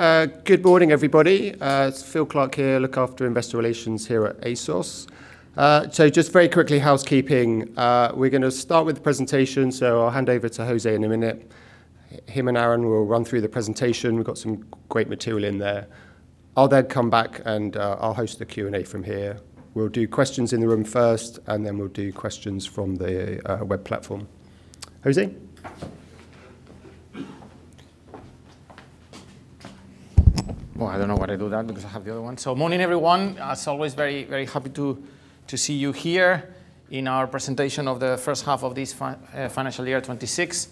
Good morning, everybody. It's Phil Clark here, I look after investor relations here at ASOS. Just very quickly, housekeeping. We're going to start with the presentation, so I'll hand over to José in a minute. Him and Aaron will run through the presentation. We've got some great material in there. I'll then come back and I'll host the Q&A from here. We'll do questions in the room first, and then we'll do questions from the web platform. José? Well, I don't know why I do that because I have the other one. Morning, everyone. As always, very happy to see you here in our presentation of the first half of this financial year 2026.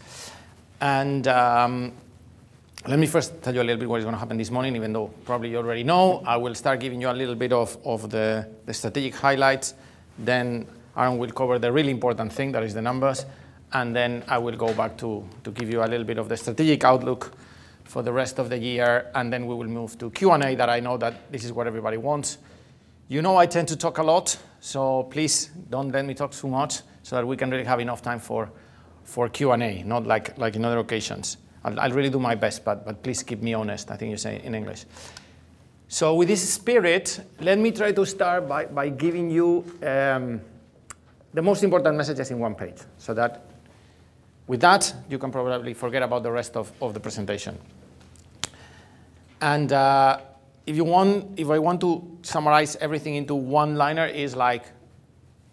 Let me first tell you a little bit what is going to happen this morning, even though probably you already know. I will start giving you a little bit of the strategic highlights. Aaron will cover the really important thing, that is the numbers. I will go back to give you a little bit of the strategic outlook for the rest of the year, and then we will move to Q&A that I know that this is what everybody wants. You know I tend to talk a lot, so please don't let me talk too much so that we can really have enough time for Q&A, not like in other occasions. I'll really do my best, but please keep me honest, I think you say in English. With this spirit, let me try to start by giving you the most important messages in one page. That with that, you can probably forget about the rest of the presentation. If I want to summarize everything into one liner, is like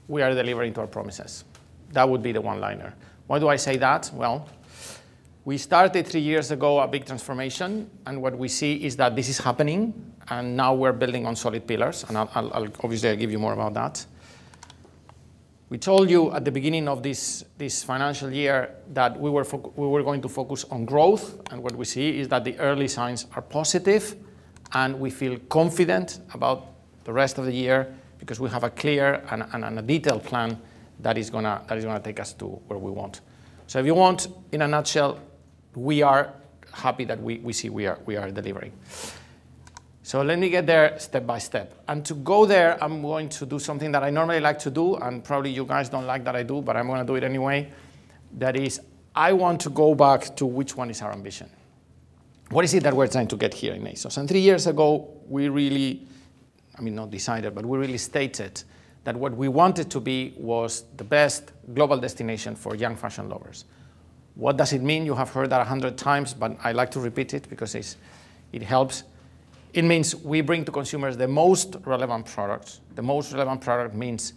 we are delivering to our promises. That would be the one liner. Why do I say that? Well, we started three years ago, a big transformation, and what we see is that this is happening, and now we're building on solid pillars. Obviously, I'll give you more about that. We told you at the beginning of this financial year that we were going to focus on growth, and what we see is that the early signs are positive, and we feel confident about the rest of the year because we have a clear and a detailed plan that is going to take us to where we want. If you want, in a nutshell, we are happy that we see we are delivering. Let me get there step by step. To go there, I'm going to do something that I normally like to do, and probably you guys don't like that I do, but I'm going to do it anyway. That is, I want to go back to which one is our ambition. What is it that we're trying to get here in ASOS? Three years ago, we really, not decided, but we really stated that what we wanted to be was the best global destination for young fashion lovers. What does it mean? You have heard that 100 times, but I like to repeat it because it helps. It means we bring to consumers the most relevant products. The most relevant product means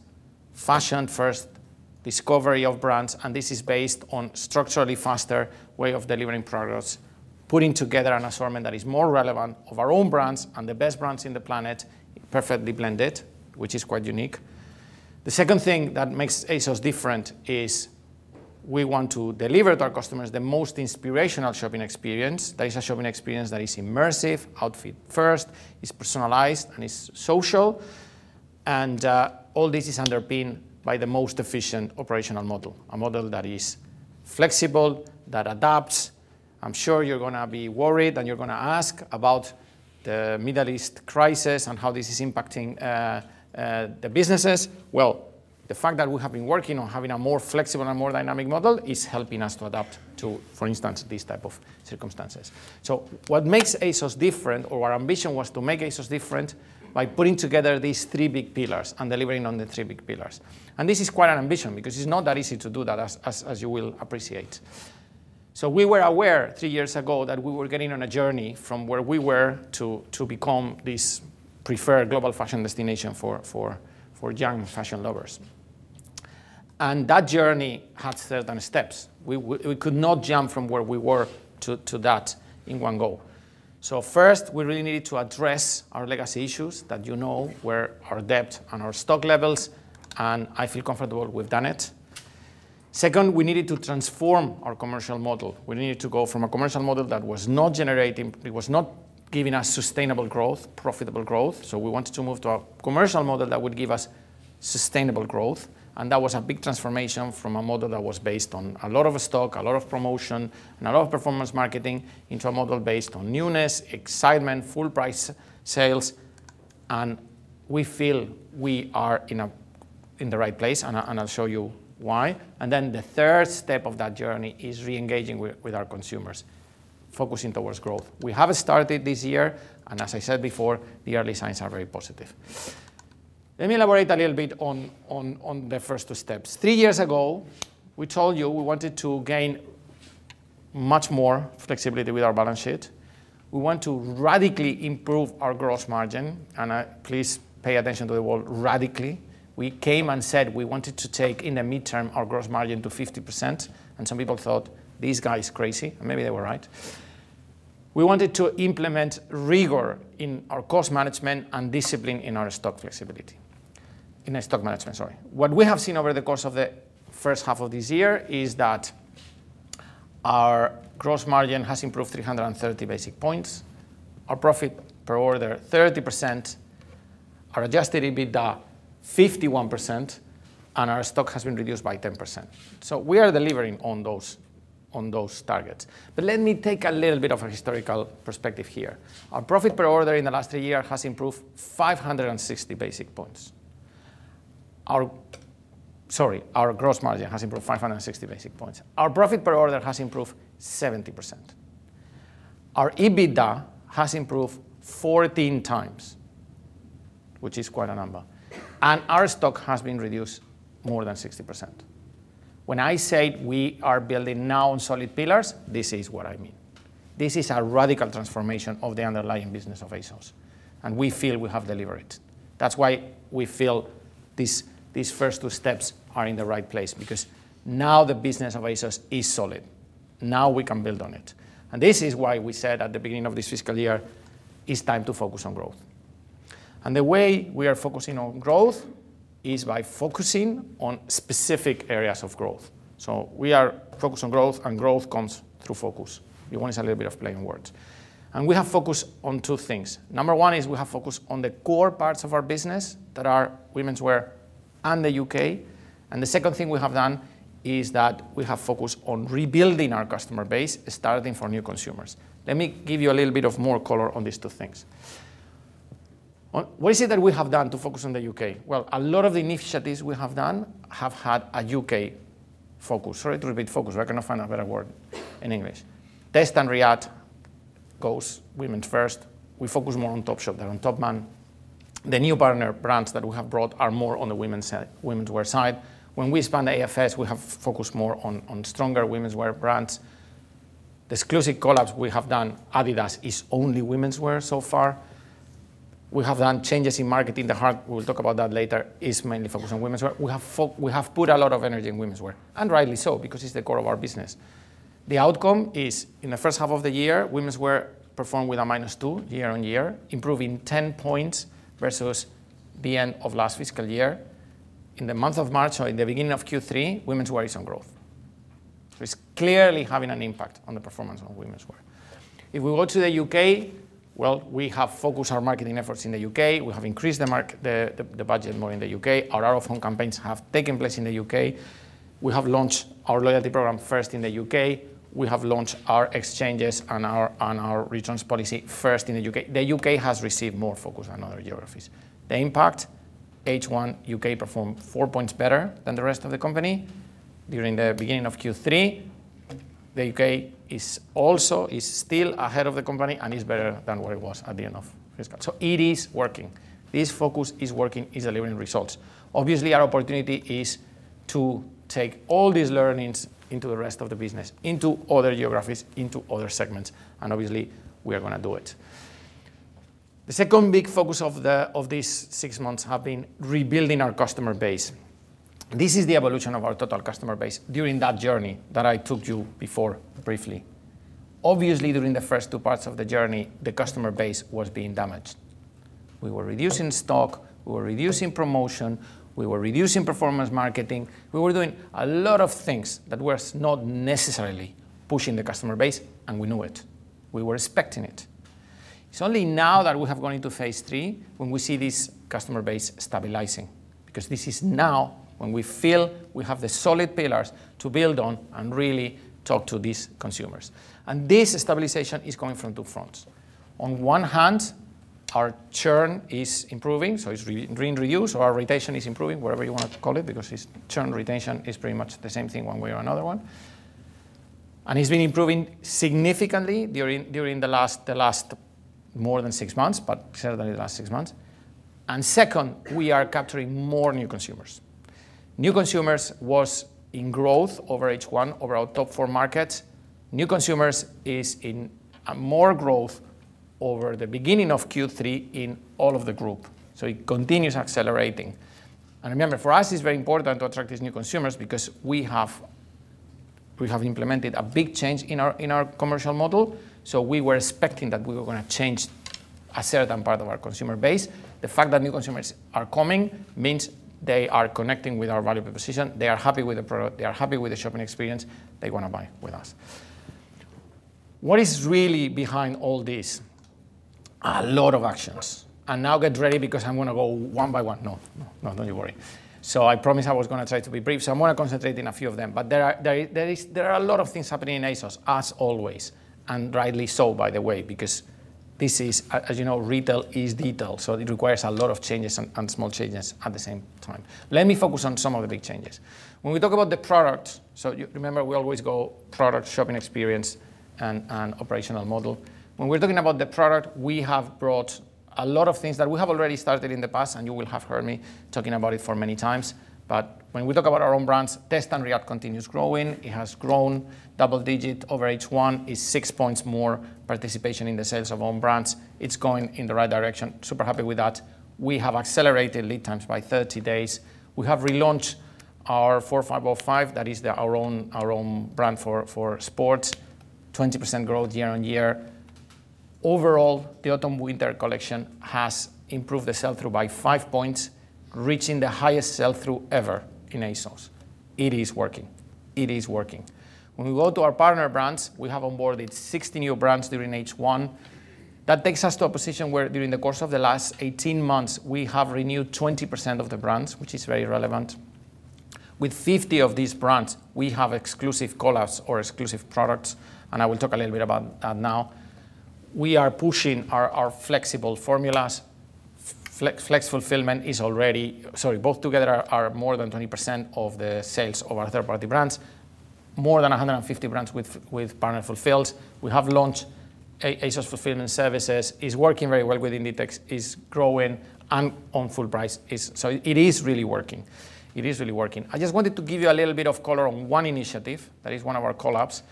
fashion first, discovery of brands, and this is based on structurally faster way of delivering products, putting together an assortment that is more relevant of our own brands and the best brands on the planet, perfectly blended, which is quite unique. The second thing that makes ASOS different is we want to deliver to our customers the most inspirational shopping experience. That is a shopping experience that is immersive, outfit first, is personalized, and is social. All this is underpinned by the most efficient operational model, a model that is flexible, that adapts. I'm sure you're going to be worried, and you're going to ask about the Middle East crisis and how this is impacting the businesses. Well, the fact that we have been working on having a more flexible and more dynamic model is helping us to adapt to, for instance, these type of circumstances. What makes ASOS different, or our ambition was to make ASOS different by putting together these three big pillars and delivering on the three big pillars. This is quite an ambition because it's not that easy to do that, as you will appreciate. We were aware three years ago that we were getting on a journey from where we were to become this preferred global fashion destination for young fashion lovers. That journey had certain steps. We could not jump from where we were to that in one go. First, we really needed to address our legacy issues that you know were our debt and our stock levels, and I feel comfortable we've done it. Second, we needed to transform our commercial model. We needed to go from a commercial model that was not generating. It was not giving us sustainable growth, profitable growth. We wanted to move to a commercial model that would give us sustainable growth, and that was a big transformation from a model that was based on a lot of stock, a lot of promotion, and a lot of performance marketing into a model based on newness, excitement, full price sales, and we feel we are in the right place, and I'll show you why. Then the third step of that journey is re-engaging with our consumers, focusing towards growth. We have started this year, and as I said before, the early signs are very positive. Let me elaborate a little bit on the first two steps. Three years ago, we told you we wanted to gain much more flexibility with our balance sheet. We want to radically improve our gross margin, and please pay attention to the word radically. We came and said we wanted to take, in the midterm, our gross margin to 50%, and some people thought this guy is crazy, and maybe they were right. We wanted to implement rigor in our cost management and discipline in our stock management. What we have seen over the course of the first half of this year is that our gross margin has improved 330 basis points. Our profit per order, 30%, our adjusted EBITDA, 51%, and our stock has been reduced by 10%. We are delivering on those targets. Let me take a little bit of a historical perspective here. Our profit per order in the last three years has improved 560 basis points. Our gross margin has improved 560 basis points. Our profit per order has improved 70%. Our EBITDA has improved 14 times, which is quite a number. Our stock has been reduced more than 60%. When I say we are building now on solid pillars, this is what I mean. This is a radical transformation of the underlying business of ASOS, and we feel we have delivered. That's why we feel these first two steps are in the right place, because now the business of ASOS is solid. Now we can build on it. This is why we said at the beginning of this fiscal year, it's time to focus on growth. The way we are focusing on growth is by focusing on specific areas of growth. We are focused on growth, and growth comes through focus. It's a little bit of playing words. We have focused on two things. Number one is we have focused on the core parts of our business that are womenswear and the U.K. The second thing we have done is that we have focused on rebuilding our customer base, starting from new consumers. Let me give you a little bit more color on these two things. What is it that we have done to focus on the U.K.? Well, a lot of the initiatives we have done have had a U.K. focus. Sorry to repeat focus. I cannot find a better word in English. Test & React goes women's first. We focus more on Topshop than on Topman. The new partner brands that we have brought are more on the womenswear side. When we expand AFS, we have focused more on stronger womenswear brands. The exclusive collabs we have done, Adidas is only womenswear so far. We have done changes in marketing. We'll talk about that later, is mainly focused on womenswear. We have put a lot of energy in womenswear, and rightly so, because it's the core of our business. The outcome is, in the first half of the year, womenswear performed with a -2% year-on-year, improving 10 points versus the end of last fiscal year. In the month of March or in the beginning of Q3, womenswear is on growth. It's clearly having an impact on the performance on womenswear. If we go to the U.K., well, we have focused our marketing efforts in the U.K. We have increased the budget more in the U.K. Our out-of-home campaigns have taken place in the U.K. We have launched our loyalty program first in the U.K. We have launched our exchanges on our returns policy first in the U.K. The U.K. has received more focus than other geographies. The impact, H1 U.K. performed 4 points better than the rest of the company during the beginning of Q3. The U.K. is still ahead of the company and is better than what it was at the end of fiscal. It is working. This focus is working, is delivering results. Obviously, our opportunity is to take all these learnings into the rest of the business, into other geographies, into other segments, and obviously, we are going to do it. The second big focus of these six months have been rebuilding our customer base. This is the evolution of our total customer base during that journey that I took you before briefly. Obviously, during the first two parts of the journey, the customer base was being damaged. We were reducing stock, we were reducing promotion, we were reducing performance marketing. We were doing a lot of things that were not necessarily pushing the customer base, and we knew it. We were expecting it. It's only now that we have gone into phase three, when we see this customer base stabilizing, because this is now when we feel we have the solid pillars to build on and really talk to these consumers. This stabilization is coming from two fronts. On one hand, our churn is improving, so it's green across, or our retention is improving, whatever you want to call it, because churn retention is pretty much the same thing one way or another. It's been improving significantly during the last more than six months, but certainly the last six months. Second, we are capturing more new consumers. New consumers was in growth over H1 our top four markets. New consumers is in more growth over the beginning of Q3 in all of the group. It continues accelerating. Remember, for us, it's very important to attract these new consumers because we have implemented a big change in our commercial model. We were expecting that we were going to change a certain part of our consumer base. The fact that new consumers are coming means they are connecting with our value proposition. They are happy with the product. They are happy with the shopping experience. They want to buy with us. What is really behind all this? A lot of actions. Now get ready because I'm going to go one by one. No, don't you worry. I promised I was going to try to be brief, so I'm going to concentrate on a few of them. There are a lot of things happening in ASOS, as always, and rightly so, by the way, because this is, as you know, retail is detail, so it requires a lot of changes and small changes at the same time. Let me focus on some of the big changes. When we talk about the product, so you remember, we always go product, shopping experience, and operational model. When we're talking about the product, we have brought a lot of things that we have already started in the past, and you will have heard me talking about it for many times. When we talk about our own brands, Test & React continues growing. It has grown double-digit over H1. It's 6 points more participation in the sales of own brands. It's going in the right direction. Super happy with that. We have accelerated lead times by 30 days. We have relaunched our 4505. That is our own brand for sports, 20% growth year-on-year. Overall, the autumn-winter collection has improved the sell-through by 5 points, reaching the highest sell-through ever in ASOS. It is working. It is working. When we go to our partner brands, we have onboarded 60 new brands during H1. That takes us to a position where during the course of the last 18 months, we have renewed 20% of the brands, which is very relevant. With 50 of these brands, we have exclusive collabs or exclusive products, and I will talk a little bit about that now. We are pushing our Flexible Fulfilment. Both together are more than 20% of the sales of our third-party brands. More than 150 brands with partner fulfils. We have launched ASOS Fulfilment Services. It's working very well with Inditex, is growing, and on full price, so it is really working. I just wanted to give you a little bit of color on one initiative that is one of our collabs,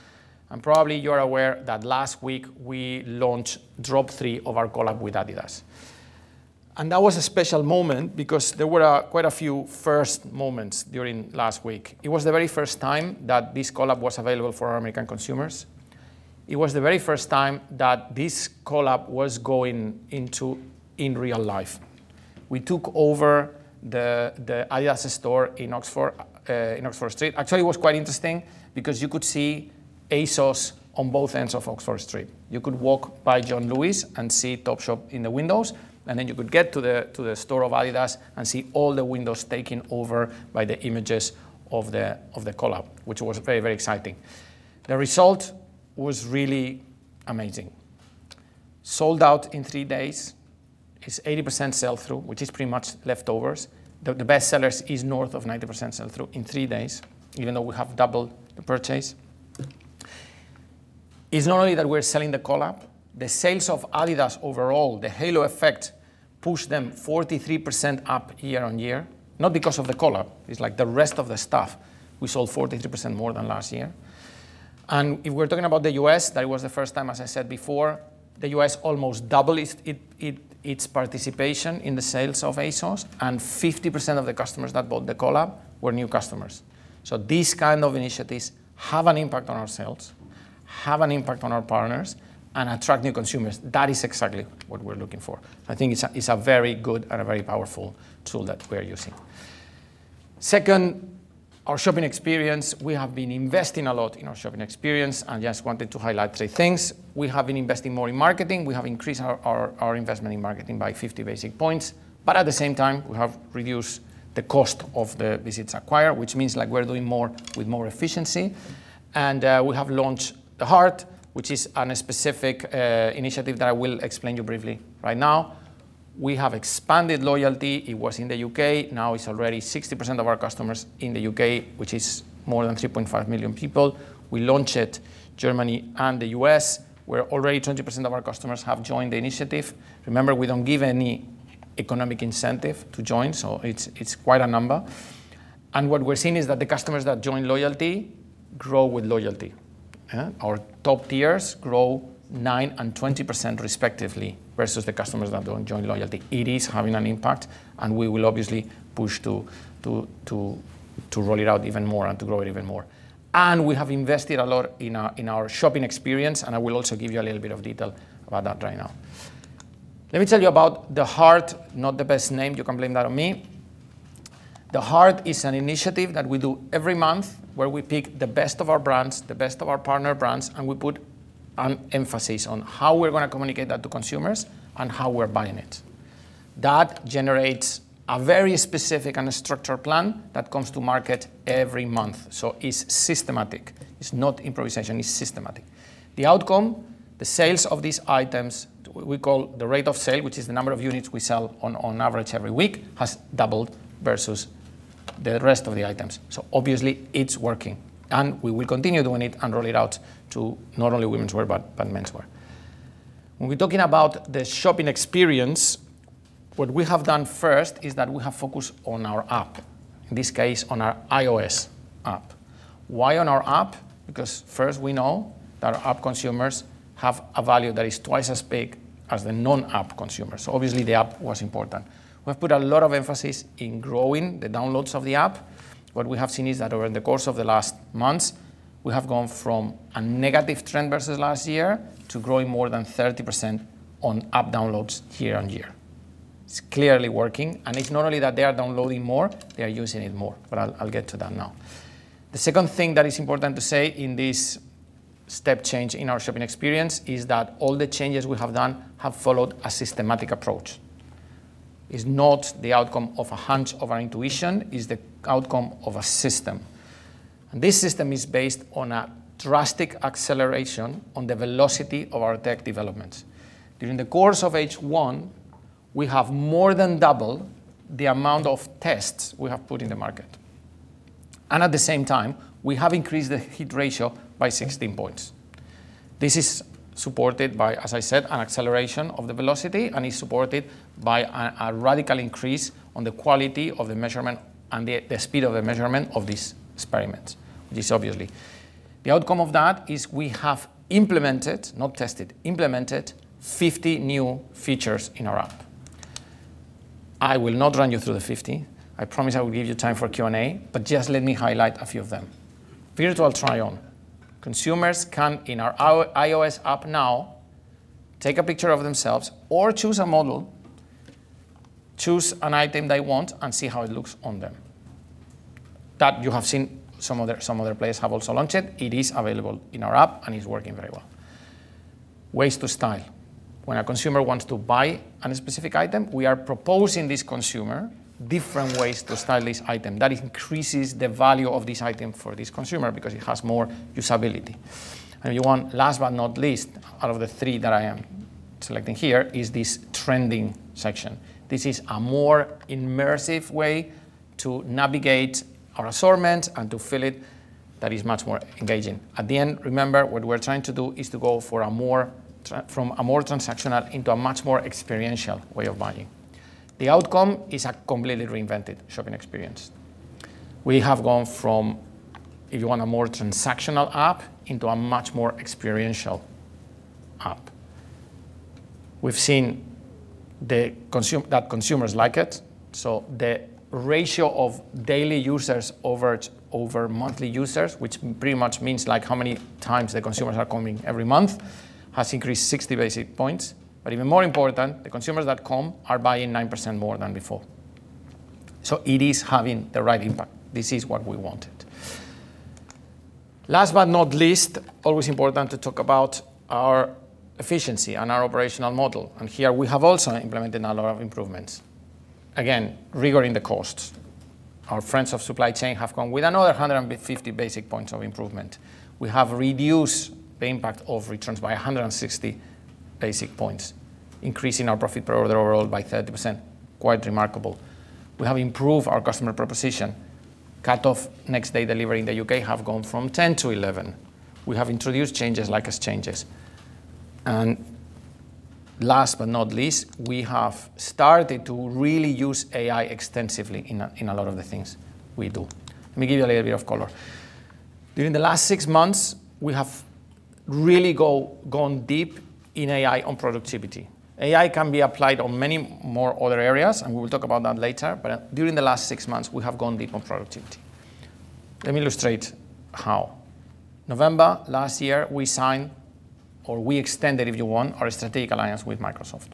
and probably you're aware that last week we launched drop three of our collab with Adidas. That was a special moment because there were quite a few first moments during last week. It was the very first time that this collab was available for our American consumers. It was the very first time that this collab was going in real life. We took over the Adidas store in Oxford Street. Actually, it was quite interesting because you could see ASOS on both ends of Oxford Street. You could walk by John Lewis and see Topshop in the windows, and then you could get to the store of Adidas and see all the windows taken over by the images of the collab, which was very exciting. The result was really amazing. Sold out in three days. It's 80% sell-through, which is pretty much leftovers. The best sellers is north of 90% sell-through in three days, even though we have doubled the purchase. It's not only that we're selling the collab, the sales of Adidas overall, the halo effect, pushed them 43% up year-on-year. Not because of the collab, it's like the rest of the stuff, we sold 43% more than last year. If we're talking about the U.S., that was the first time, as I said before, the U.S. almost doubled its participation in the sales of ASOS, and 50% of the customers that bought the collab were new customers. These kind of initiatives have an impact on our sales, have an impact on our partners, and attract new consumers. That is exactly what we're looking for. I think it's a very good and a very powerful tool that we're using. Second, our shopping experience. We have been investing a lot in our shopping experience and just wanted to highlight three things. We have been investing more in marketing. We have increased our investment in marketing by 50 basis points. At the same time, we have reduced the cost of the visits acquired, which means we're doing more with more efficiency. We have launched The Heart, which is on a specific initiative that I will explain to you briefly right now. We have expanded loyalty. It was in the U.K., now it's already 60% of our customers in the U.K., which is more than 3.5 million people. We launched Germany and the U.S., where already 20% of our customers have joined the initiative. Remember, we don't give any economic incentive to join, so it's quite a number. What we're seeing is that the customers that join loyalty grow with loyalty. Our top tiers grow 9% and 20% respectively, versus the customers that don't join loyalty. It is having an impact and we will obviously push to roll it out even more and to grow it even more. We have invested a lot in our shopping experience, and I will also give you a little bit of detail about that right now. Let me tell you about The Heart, not the best name, you can blame that on me. The Heart is an initiative that we do every month where we pick the best of our brands, the best of our partner brands, and we put an emphasis on how we're going to communicate that to consumers and how we're buying it. That generates a very specific and structured plan that comes to market every month. It's systematic. It's not improvisation, it's systematic. The outcome, the sales of these items, we call the rate of sale, which is the number of units we sell on average every week, has doubled versus the rest of the items. Obviously it's working, and we will continue doing it and roll it out to not only womenswear but menswear. When we're talking about the shopping experience, what we have done first is that we have focused on our app. In this case, on our iOS app. Why on our app? Because first we know that our app consumers have a value that is twice as big as the non-app consumers. Obviously the app was important. We have put a lot of emphasis in growing the downloads of the app. What we have seen is that over the course of the last months, we have gone from a negative trend versus last year to growing more than 30% on app downloads year-over-year. It's clearly working, and it's not only that they are downloading more, they are using it more, but I'll get to that now. The second thing that is important to say in this step change in our shopping experience is that all the changes we have done have followed a systematic approach. It is not the outcome of a hunch of our intuition, it is the outcome of a system. This system is based on a drastic acceleration on the velocity of our tech developments. During the course of H1, we have more than doubled the amount of tests we have put in the market. At the same time, we have increased the hit ratio by 16 points. This is supported by, as I said, an acceleration of the velocity, and is supported by a radical increase on the quality of the measurement and the speed of the measurement of these experiments. This, obviously. The outcome of that is we have implemented, not tested, 50 new features in our app. I will not run you through the 50. I promise I will give you time for Q&A, but just let me highlight a few of them. Virtual try-on. Consumers can, in our iOS app now, take a picture of themselves or choose a model, choose an item they want, and see how it looks on them. That you have seen. Some other places have also launched it. It is available in our app and is working very well. Ways to style. When a consumer wants to buy a specific item, we are proposing this consumer different ways to style this item that increases the value of this item for this consumer because it has more usability. You want, last but not least, out of the three that I am selecting here, is this trending section. This is a more immersive way to navigate our assortment and to feel it that is much more engaging. At the end, remember, what we're trying to do is to go from a more transactional into a much more experiential way of buying. The outcome is a completely reinvented shopping experience. We have gone from, if you want, a more transactional app into a much more experiential app. We've seen that consumers like it. The ratio of daily users over monthly users, which pretty much means how many times the consumers are coming every month, has increased 60 basis points. Even more important, the consumers that come are buying 9% more than before. It is having the right impact. This is what we wanted. Last but not least, always important to talk about our efficiency and our operational model. Here we have also implemented a lot of improvements. Again, rigorous in the costs. Our friends of supply chain have gone with another 150 basis points of improvement. We have reduced the impact of returns by 160 basis points, increasing our profit per order overall by 30%. Quite remarkable. We have improved our customer proposition. Cut-off next-day delivery in the U.K. have gone from 10 to 11. We have introduced changes like exchanges. Last but not least, we have started to really use AI extensively in a lot of the things we do. Let me give you a little bit of color. During the last six months, we have really gone deep in AI on productivity. AI can be applied on many more other areas, and we will talk about that later, but during the last six months, we have gone deep on productivity. Let me illustrate how. November last year, we signed, or we extended, if you want, our strategic alliance with Microsoft.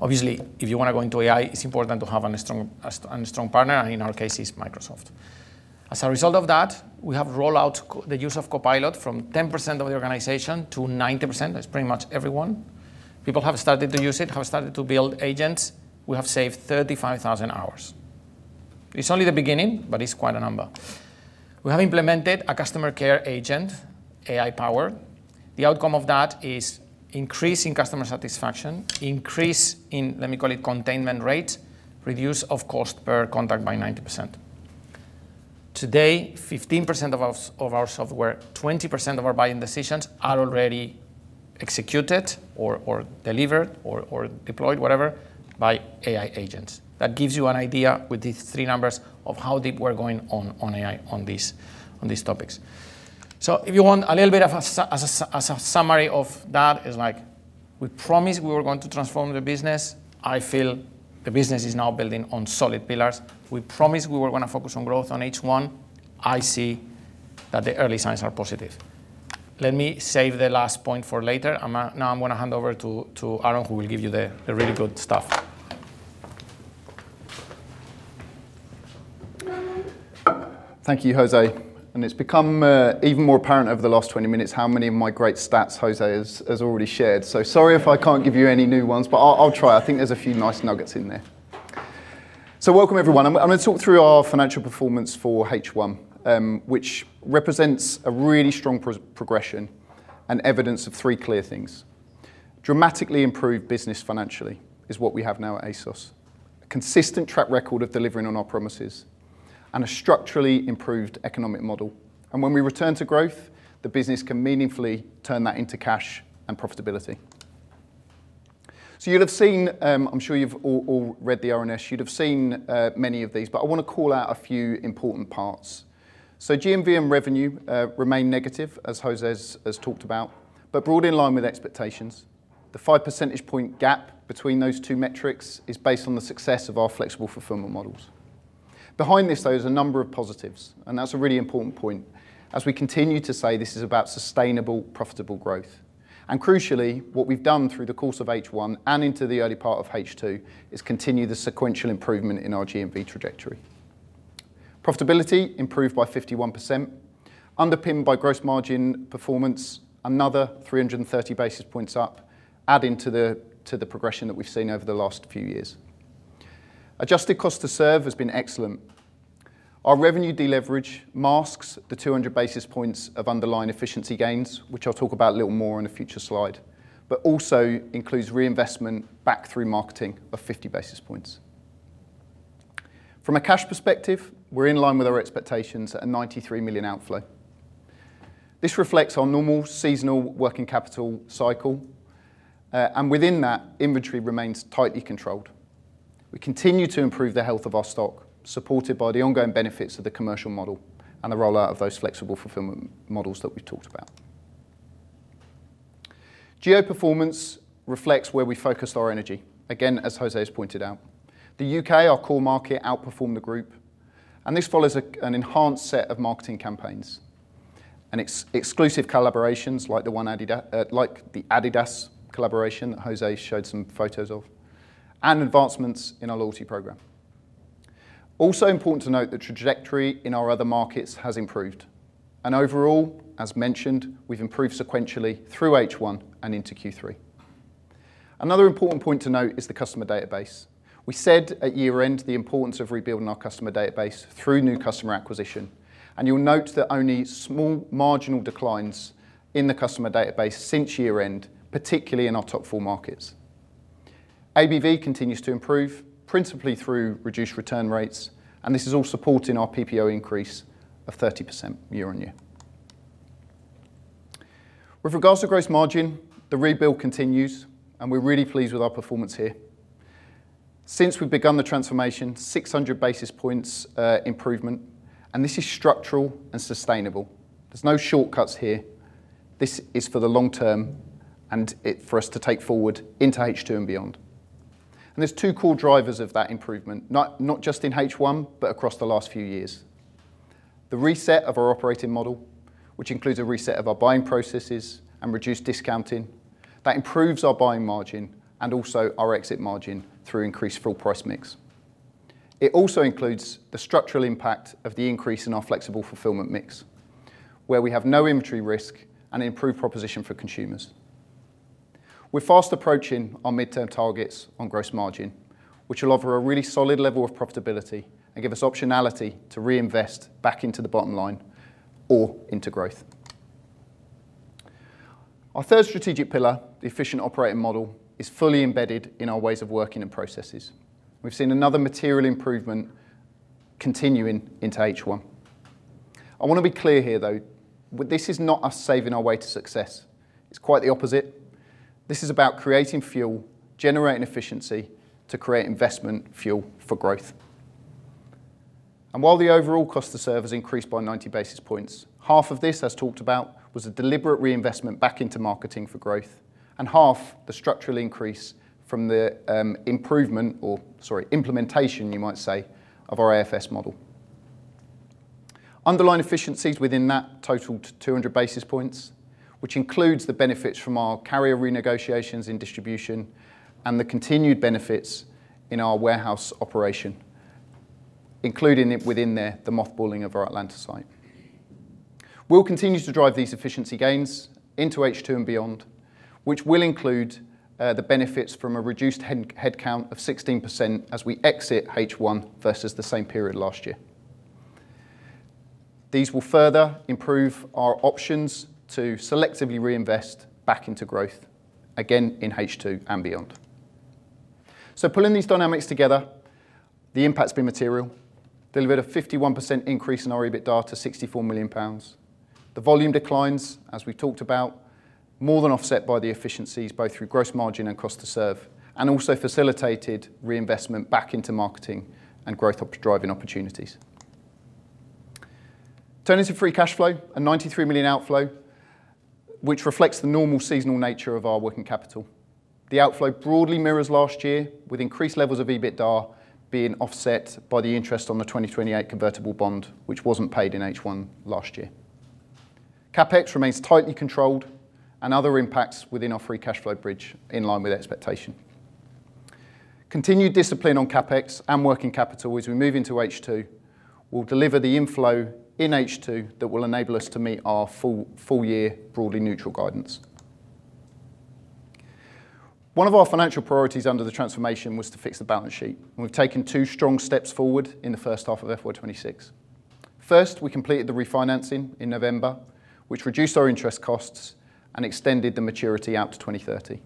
Obviously, if you want to go into AI, it's important to have a strong partner, and in our case, it's Microsoft. As a result of that, we have rolled out the use of Copilot from 10% of the organization to 90%. That's pretty much everyone. People have started to use it, have started to build agents. We have saved 35,000 hours. It's only the beginning, but it's quite a number. We have implemented a customer care agent, AI powered. The outcome of that is increase in customer satisfaction, increase in, let me call it, containment rate, reduce of cost per contact by 90%. Today, 15% of our software, 20% of our buying decisions are already executed or delivered or deployed, whatever, by AI agents. That gives you an idea with these three numbers of how deep we're going on AI on these topics. If you want a little bit of a summary of that is, we promised we were going to transform the business. I feel the business is now building on solid pillars. We promised we were going to focus on growth on H1. I see that the early signs are positive. Let me save the last point for later. Now I'm going to hand over to Aaron, who will give you the really good stuff. Thank you, José. It's become even more apparent over the last 20 minutes how many of my great stats José has already shared. Sorry if I can't give you any new ones, but I'll try. I think there's a few nice nuggets in there. Welcome, everyone. I'm going to talk through our financial performance for H1, which represents a really strong progression and evidence of three clear things. Dramatically improved business financially is what we have now at ASOS, a consistent track record of delivering on our promises, and a structurally improved economic model. When we return to growth, the business can meaningfully turn that into cash and profitability. You'll have seen, I'm sure you've all read the RNS, you'd have seen many of these, but I want to call out a few important parts. GMV revenue remained negative, as José has talked about, but broadly in line with expectations. The 5 percentage point gap between those two metrics is based on the success of our Flexible Fulfilment models. Behind this, though, is a number of positives, and that's a really important point. As we continue to say, this is about sustainable, profitable growth. Crucially, what we've done through the course of H1 and into the early part of H2 is continue the sequential improvement in our GMV trajectory. Profitability improved by 51%, underpinned by gross margin performance, another 330 basis points up, adding to the progression that we've seen over the last few years. Adjusted cost to serve has been excellent. Our revenue deleverage masks the 200 basis points of underlying efficiency gains, which I'll talk about a little more in a future slide, but also includes reinvestment back through marketing of 50 basis points. From a cash perspective, we're in line with our expectations at a 93 million outflow. This reflects our normal seasonal working capital cycle, and within that, inventory remains tightly controlled. We continue to improve the health of our stock, supported by the ongoing benefits of the commercial model and the rollout of those Flexible Fulfilment models that we talked about. Geo performance reflects where we focused our energy, again, as José has pointed out. The U.K., our core market, outperformed the group, and this follows an enhanced set of marketing campaigns and exclusive collaborations like the Adidas collaboration that José showed some photos of, and advancements in our loyalty program. Also important to note, the trajectory in our other markets has improved. Overall, as mentioned, we've improved sequentially through H1 and into Q3. Another important point to note is the customer database. We said at year-end, the importance of rebuilding our customer database through new customer acquisition, and you'll note that only small marginal declines in the customer database since year-end, particularly in our top four markets. AOV continues to improve, principally through reduced return rates, and this is all supporting our PPO increase of 30% year-over-year. With regards to gross margin, the rebuild continues, and we're really pleased with our performance here. Since we've begun the transformation, 600 basis points improvement, and this is structural and sustainable. There's no shortcuts here. This is for the long term and for us to take forward into H2 and beyond. There's two core drivers of that improvement, not just in H1, but across the last few years. The reset of our operating model, which includes a reset of our buying processes and reduced discounting, that improves our buying margin and also our exit margin through increased full price mix. It also includes the structural impact of the increase in our Flexible Fulfilment mix, where we have no inventory risk and improved proposition for consumers. We're fast approaching our midterm targets on gross margin, which will offer a really solid level of profitability and give us optionality to reinvest back into the bottom line or into growth. Our third strategic pillar, the efficient operating model, is fully embedded in our ways of working and processes. We've seen another material improvement continuing into H1. I want to be clear here, though, this is not us saving our way to success. It's quite the opposite. This is about creating fuel, generating efficiency to create investment fuel for growth. While the overall cost to serve has increased by 90 basis points, half of this, as talked about, was a deliberate reinvestment back into marketing for growth, and half the structural increase from the improvement, or sorry, implementation, you might say, of our AFS model. Underlying efficiencies within that totaled 200 basis points, which includes the benefits from our carrier renegotiations in distribution and the continued benefits in our warehouse operation, including it within the mothballing of our Atlanta site. We'll continue to drive these efficiency gains into H2 and beyond, which will include the benefits from a reduced headcount of 16% as we exit H1 versus the same period last year. These will further improve our options to selectively reinvest back into growth, again, in H2 and beyond. Pulling these dynamics together, the impact's been material. Delivered a 51% increase in our EBITDA to 64 million pounds. The volume declines, as we talked about, more than offset by the efficiencies, both through gross margin and cost to serve, and also facilitated reinvestment back into marketing and growth-driving opportunities. Turning to free cash flow, a 93 million outflow, which reflects the normal seasonal nature of our working capital. The outflow broadly mirrors last year, with increased levels of EBITDA being offset by the interest on the 2028 convertible bond, which wasn't paid in H1 last year. CapEx remains tightly controlled and other impacts within our free cash flow bridge in line with expectation. Continued discipline on CapEx and working capital as we move into H2 will deliver the inflow in H2 that will enable us to meet our full year broadly neutral guidance. One of our financial priorities under the transformation was to fix the balance sheet. We've taken two strong steps forward in the first half of FY 2026. First, we completed the refinancing in November, which reduced our interest costs and extended the maturity out to 2030.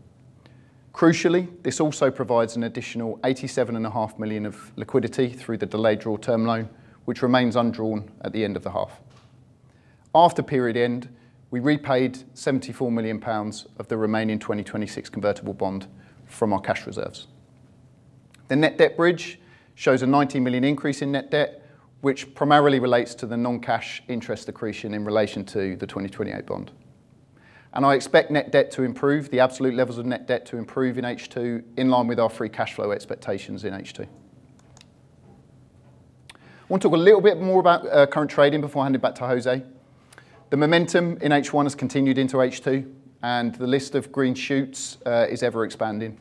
Crucially, this also provides an additional 87.5 million of liquidity through the delayed draw term loan, which remains undrawn at the end of the half. After period end, we repaid 74 million pounds of the remaining 2026 convertible bond from our cash reserves. The net debt bridge shows a 90 million increase in net debt, which primarily relates to the non-cash interest accretion in relation to the 2028 bond. I expect net debt to improve, the absolute levels of net debt to improve in H2 in line with our free cash flow expectations in H2. I want to talk a little bit more about current trading before I hand it back to José. The momentum in H1 has continued into H2, and the list of green shoots is ever expanding.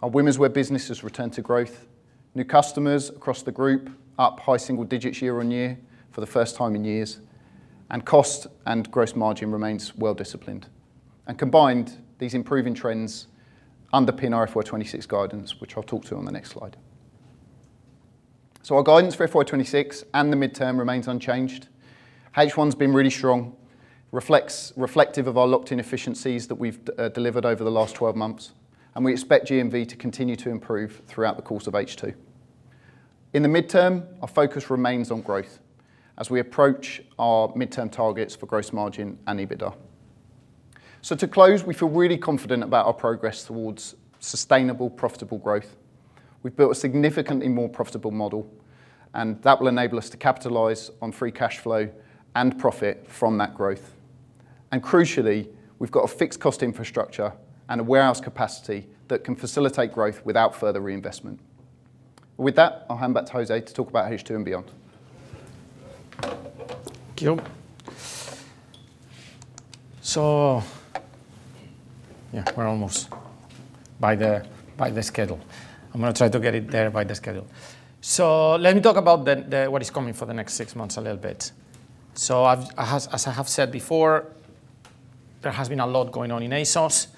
Our women's wear business has returned to growth. New customers across the group are up high single digits year-on-year for the first time in years, and cost and gross margin remains well disciplined. Combined, these improving trends underpin our FY 2026 guidance, which I'll talk to on the next slide. Our guidance for FY 2026 and the midterm remains unchanged. H1's been really strong, reflective of our locked-in efficiencies that we've delivered over the last 12 months, and we expect GMV to continue to improve throughout the course of H2. In the midterm, our focus remains on growth as we approach our midterm targets for gross margin and EBITDA. To close, we feel really confident about our progress towards sustainable, profitable growth. We've built a significantly more profitable model, and that will enable us to capitalize on free cash flow and profit from that growth. Crucially, we've got a fixed cost infrastructure and a warehouse capacity that can facilitate growth without further reinvestment. With that, I'll hand back to José to talk about H2 and beyond. Thank you. Yeah, we're almost by the schedule. I'm going to try to get it there by the schedule. Let me talk about what is coming for the next six months a little bit. As I have said before, there has been a lot going on in ASOS,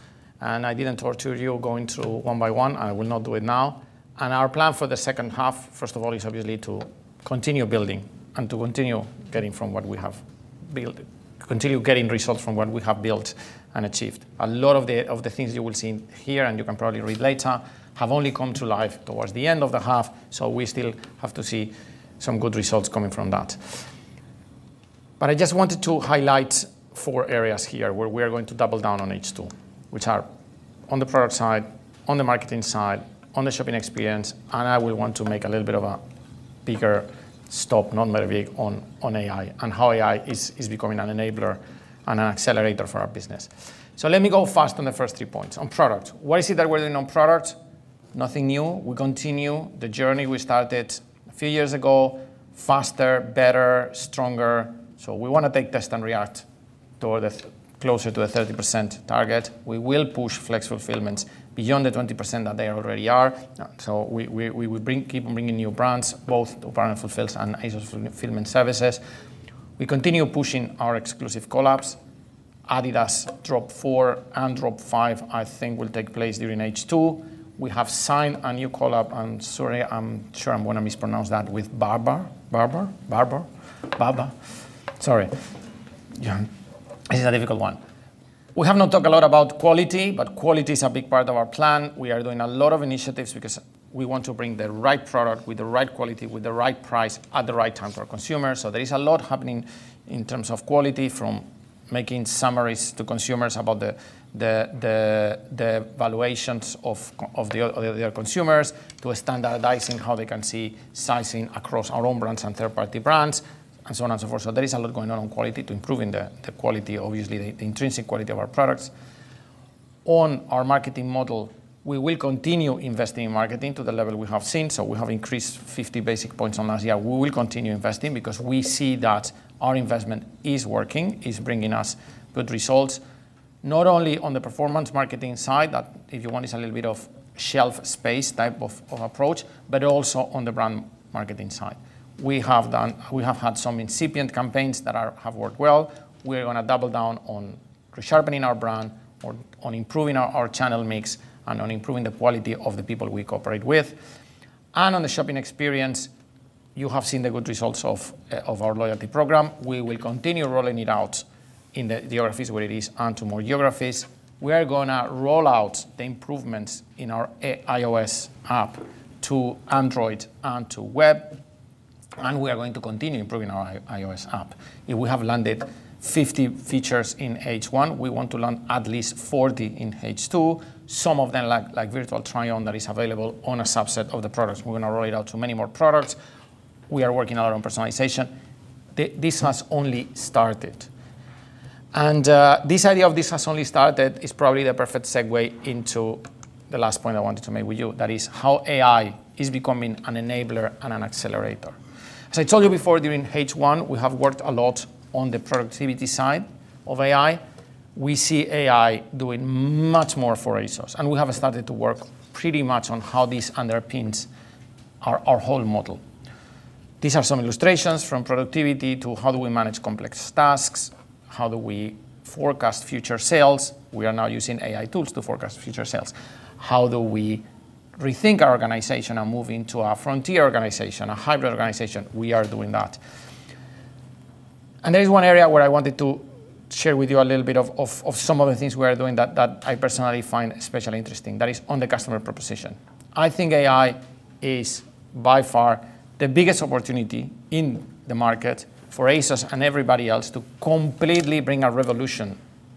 and I didn't torture you going through one by one. I will not do it now. Our plan for the second half, first of all, is obviously to continue building and to continue getting results from what we have built and achieved. A lot of the things you will see here, and you can probably read later, have only come to life towards the end of the half, so we still have to see some good results coming from that. I just wanted to highlight four areas here where we are going to double down on H2, which are on the product side, on the marketing side, on the shopping experience, and I will want to make a little bit of a bigger stop, not maybe on AI, and how AI is becoming an enabler and an accelerator for our business. Let me go fast on the first three points. On product. What is it that we're doing on product? Nothing new. We continue the journey we started a few years ago, faster, better, stronger. We want to take Test & React closer to the 30% target. We will push Flexible Fulfilment beyond the 20% that they already are. We will keep on bringing new brands, both Partner Fulfils and ASOS Fulfilment Services. We continue pushing our exclusive collabs. Adidas Drop 4 and Drop 5, I think, will take place during H2. We have signed a new collab. I'm sorry, I'm sure I'm going to mispronounce that, with Barbour. Barbour. Sorry. Yeah. It's a difficult one. We have not talked a lot about quality, but quality is a big part of our plan. We are doing a lot of initiatives because we want to bring the right product with the right quality, with the right price, at the right time for our consumers. There is a lot happening in terms of quality from making assurances to consumers about the quality of their purchases, to standardizing how they can see sizing across our own brands and third-party brands, and so on and so forth. There is a lot going on quality to improving the quality, obviously, the intrinsic quality of our products. On our marketing model, we will continue investing in marketing to the level we have seen. We have increased 50 basis points over last year. We will continue investing because we see that our investment is working, is bringing us good results, not only on the performance marketing side, that, if you want, is a little bit of shelf space type of approach, but also on the brand marketing side. We have had some incipient campaigns that have worked well. We're going to double down on sharpening our brand, on improving our channel mix, and on improving the quality of the people we cooperate with. On the shopping experience, you have seen the good results of our loyalty program. We will continue rolling it out in the geographies where it is on to more geographies. We are going to roll out the improvements in our iOS app to Android and to web, and we are going to continue improving our iOS app. If we have landed 50 features in H1, we want to land at least 40 in H2, some of them like virtual try-on that is available on a subset of the products. We're going to roll it out to many more products. We are working on our own personalization. This has only started. This idea of this has only started is probably the perfect segue into the last point I wanted to make with you, that is how AI is becoming an enabler and an accelerator. As I told you before, during H1, we have worked a lot on the productivity side of AI. We see AI doing much more for ASOS, and we have started to work pretty much on how this underpins our whole model. These are some illustrations from productivity to how do we manage complex tasks? How do we forecast future sales? We are now using AI tools to forecast future sales. How do we rethink our organization and move into a frontier organization, a hybrid organization? We are doing that. There is one area where I wanted to share with you a little bit of some of the things we are doing that I personally find especially interesting. That is on the customer proposition. I think AI is by far the biggest opportunity in the market for ASOS and everybody else to completely bring a revolution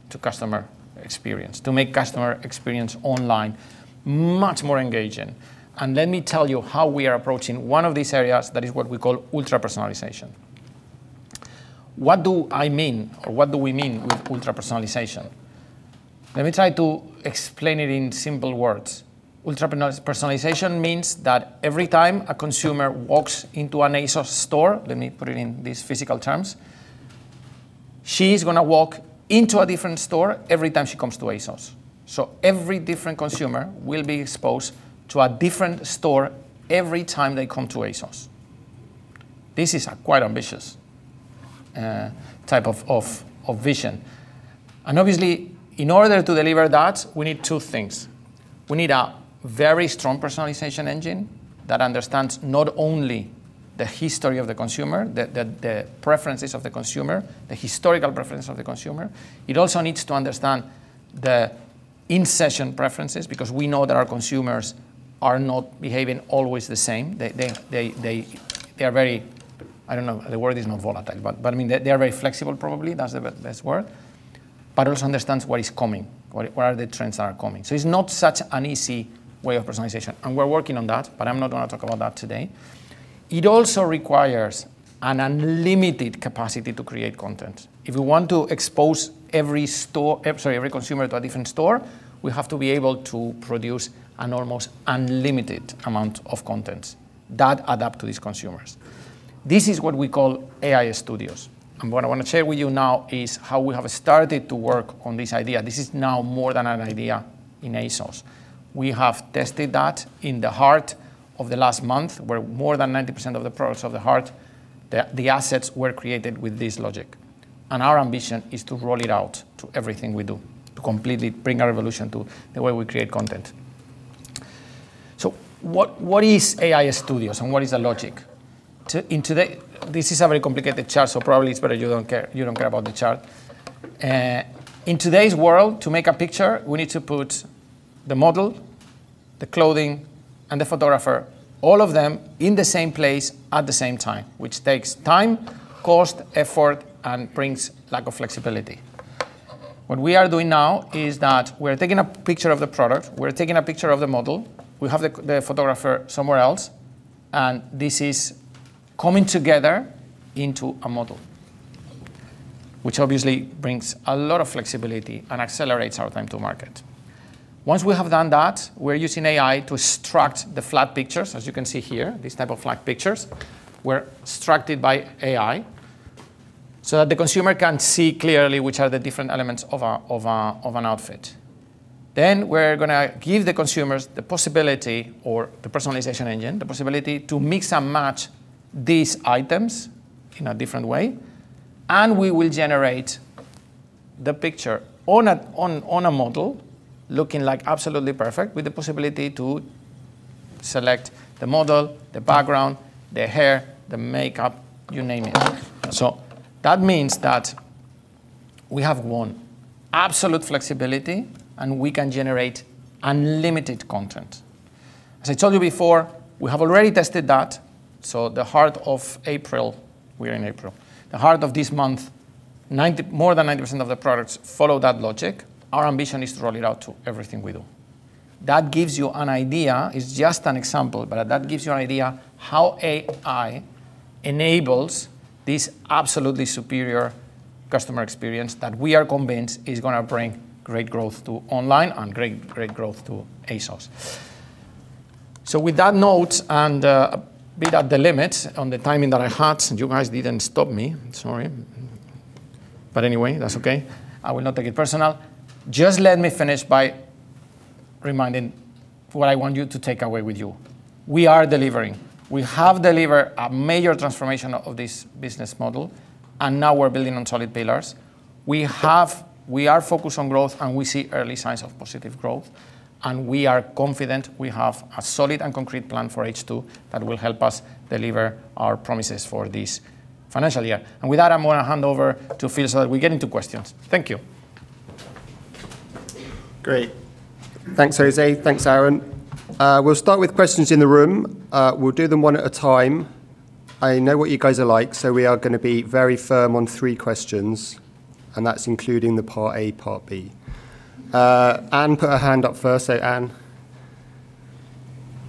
to customer experience, to make customer experience online much more engaging. Let me tell you how we are approaching one of these areas, that is what we call ultra-personalization. What do I mean or what do we mean with ultra-personalization? Let me try to explain it in simple words. Ultra-personalization means that every time a consumer walks into an ASOS store, let me put it in these physical terms, she's going to walk into a different store every time she comes to ASOS. Every different consumer will be exposed to a different store every time they come to ASOS. This is a quite ambitious type of vision. Obviously, in order to deliver that, we need two things. We need a very strong personalization engine that understands not only the history of the consumer, the preferences of the consumer, the historical preference of the consumer. It also needs to understand the in-session preferences, because we know that our consumers are not behaving always the same. They are very, I don't know, the word is not volatile, but they are very flexible, probably that's the best word. It also understands what is coming, where the trends are coming. It's not such an easy way of personalization. We're working on that, but I'm not going to talk about that today. It also requires an unlimited capacity to create content. If we want to expose every consumer to a different store, we have to be able to produce an almost unlimited amount of content that adapt to these consumers. This is what we call AI Studios. What I want to share with you now is how we have started to work on this idea. This is now more than an idea. In ASOS, we have tested that in The Heart of the last month, where more than 90% of the products of The Heart, the assets were created with this logic. Our ambition is to roll it out to everything we do to completely bring a revolution to the way we create content. What is AI Studios and what is the logic? This is a very complicated chart, so probably it's better you don't care. You don't care about the chart. In today's world, to make a picture, we need to put the model, the clothing, and the photographer, all of them in the same place at the same time, which takes time, cost, effort, and brings lack of flexibility. What we are doing now is that we're taking a picture of the product. We're taking a picture of the model. We have the photographer somewhere else, and this is coming together into a model, which obviously brings a lot of flexibility and accelerates our time to market. Once we have done that, we're using AI to structure the flat pictures, as you can see here, this type of flat pictures were structured by AI so that the consumer can see clearly which are the different elements of an outfit. We're going to give the consumers the possibility or the personalization engine to mix and match these items in a different way. We will generate the picture on a model looking absolutely perfect, with the possibility to select the model, the background, the hair, the makeup, you name it. That means that we have, one, absolute flexibility, and we can generate unlimited content. As I told you before, we have already tested that. The Heart of April, we are in April, the heart of this month, more than 90% of the products follow that logic. Our ambition is to roll it out to everything we do. That gives you an idea. It's just an example, but that gives you an idea how AI enables this absolutely superior customer experience that we are convinced is going to bring great growth to online and great growth to ASOS. With that note and a bit at the limit on the timing that I had, you guys didn't stop me. Sorry. Anyway, that's okay. I will not take it personal. Just let me finish by reminding what I want you to take away with you. We are delivering. We have delivered a major transformation of this business model and now we're building on solid pillars. We are focused on growth and we see early signs of positive growth, and we are confident we have a solid and concrete plan for H2 that will help us deliver our promises for this financial year. With that, I'm going to hand over to Phil so that we get into questions. Thank you. Great. Thanks, José. Thanks, Aaron. We'll start with questions in the room. We'll do them one at a time. I know what you guys are like, so we are going to be very firm on three questions, and that's including the part A, part B. Anne put her hand up first. Anne.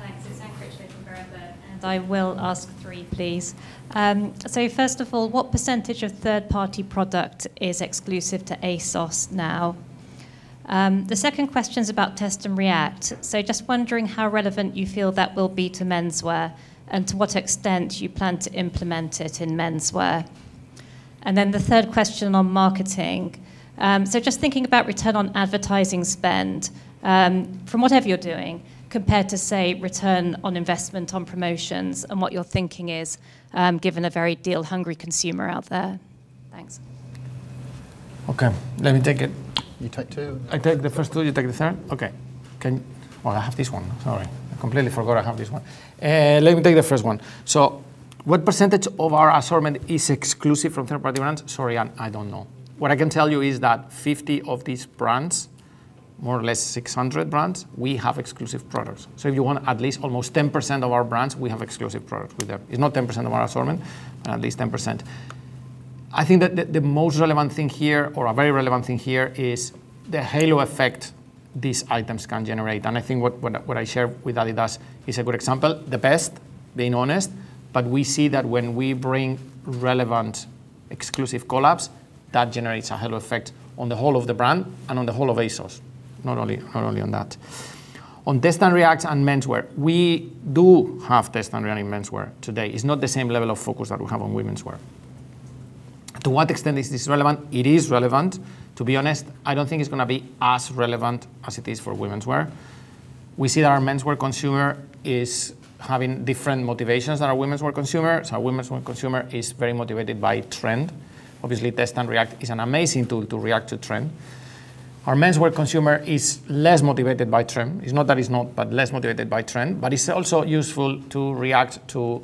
Thanks. It's Anne Critchlow from Berenberg, and I will ask three, please. First of all, what percentage of third-party product is exclusive to ASOS now? The second question is about Test & React. Just wondering how relevant you feel that will be to menswear and to what extent you plan to implement it in menswear. The third question on marketing. Just thinking about return on advertising spend from whatever you're doing compared to, say, return on investment on promotions and what your thinking is given a very deal-hungry consumer out there. Thanks. Okay. Let me take it. You take two. I take the first two. You take the third? Okay. Well, I have this one. Sorry, I completely forgot I have this one. Let me take the first one. What percentage of our assortment is exclusive from third-party brands? Sorry, Anne, I don't know. What I can tell you is that 50 of these brands, more or less 600 brands, we have exclusive products. If you want at least almost 10% of our brands, we have exclusive products with them. It's not 10% of our assortment, at least 10%. I think that the most relevant thing here or a very relevant thing here is the halo effect these items can generate. I think what I share with Adidas is a good example. The best, being honest, but we see that when we bring relevant exclusive collabs, that generates a halo effect on the whole of the brand and on the whole of ASOS. Not only on that. On Test & React and menswear, we do have Test & React in menswear today. It's not the same level of focus that we have on womenswear. To what extent is this relevant? It is relevant. To be honest, I don't think it's going to be as relevant as it is for womenswear. We see that our menswear consumer is having different motivations than our womenswear consumer. Our womenswear consumer is very motivated by trend. Obviously, Test & React is an amazing tool to react to trend. Our menswear consumer is less motivated by trend. It's not that he's not, but less motivated by trend, but it's also useful to react to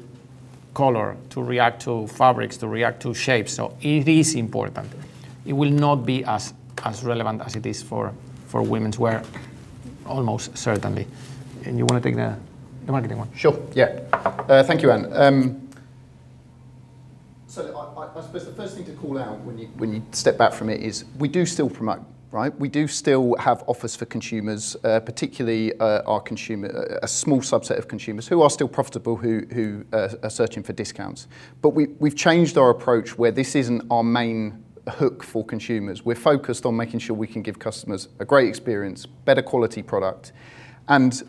color, to react to fabrics, to react to shapes. It is important. It will not be as relevant as it is for womenswear, almost certainly. You want to take the marketing one? Sure. Yeah. Thank you, Anne. I suppose the first thing to call out when you step back from it is we do still promote. We do still have offers for consumers, particularly a small subset of consumers who are still profitable, who are searching for discounts. We've changed our approach, where this isn't our main hook for consumers. We're focused on making sure we can give customers a great experience, better quality product.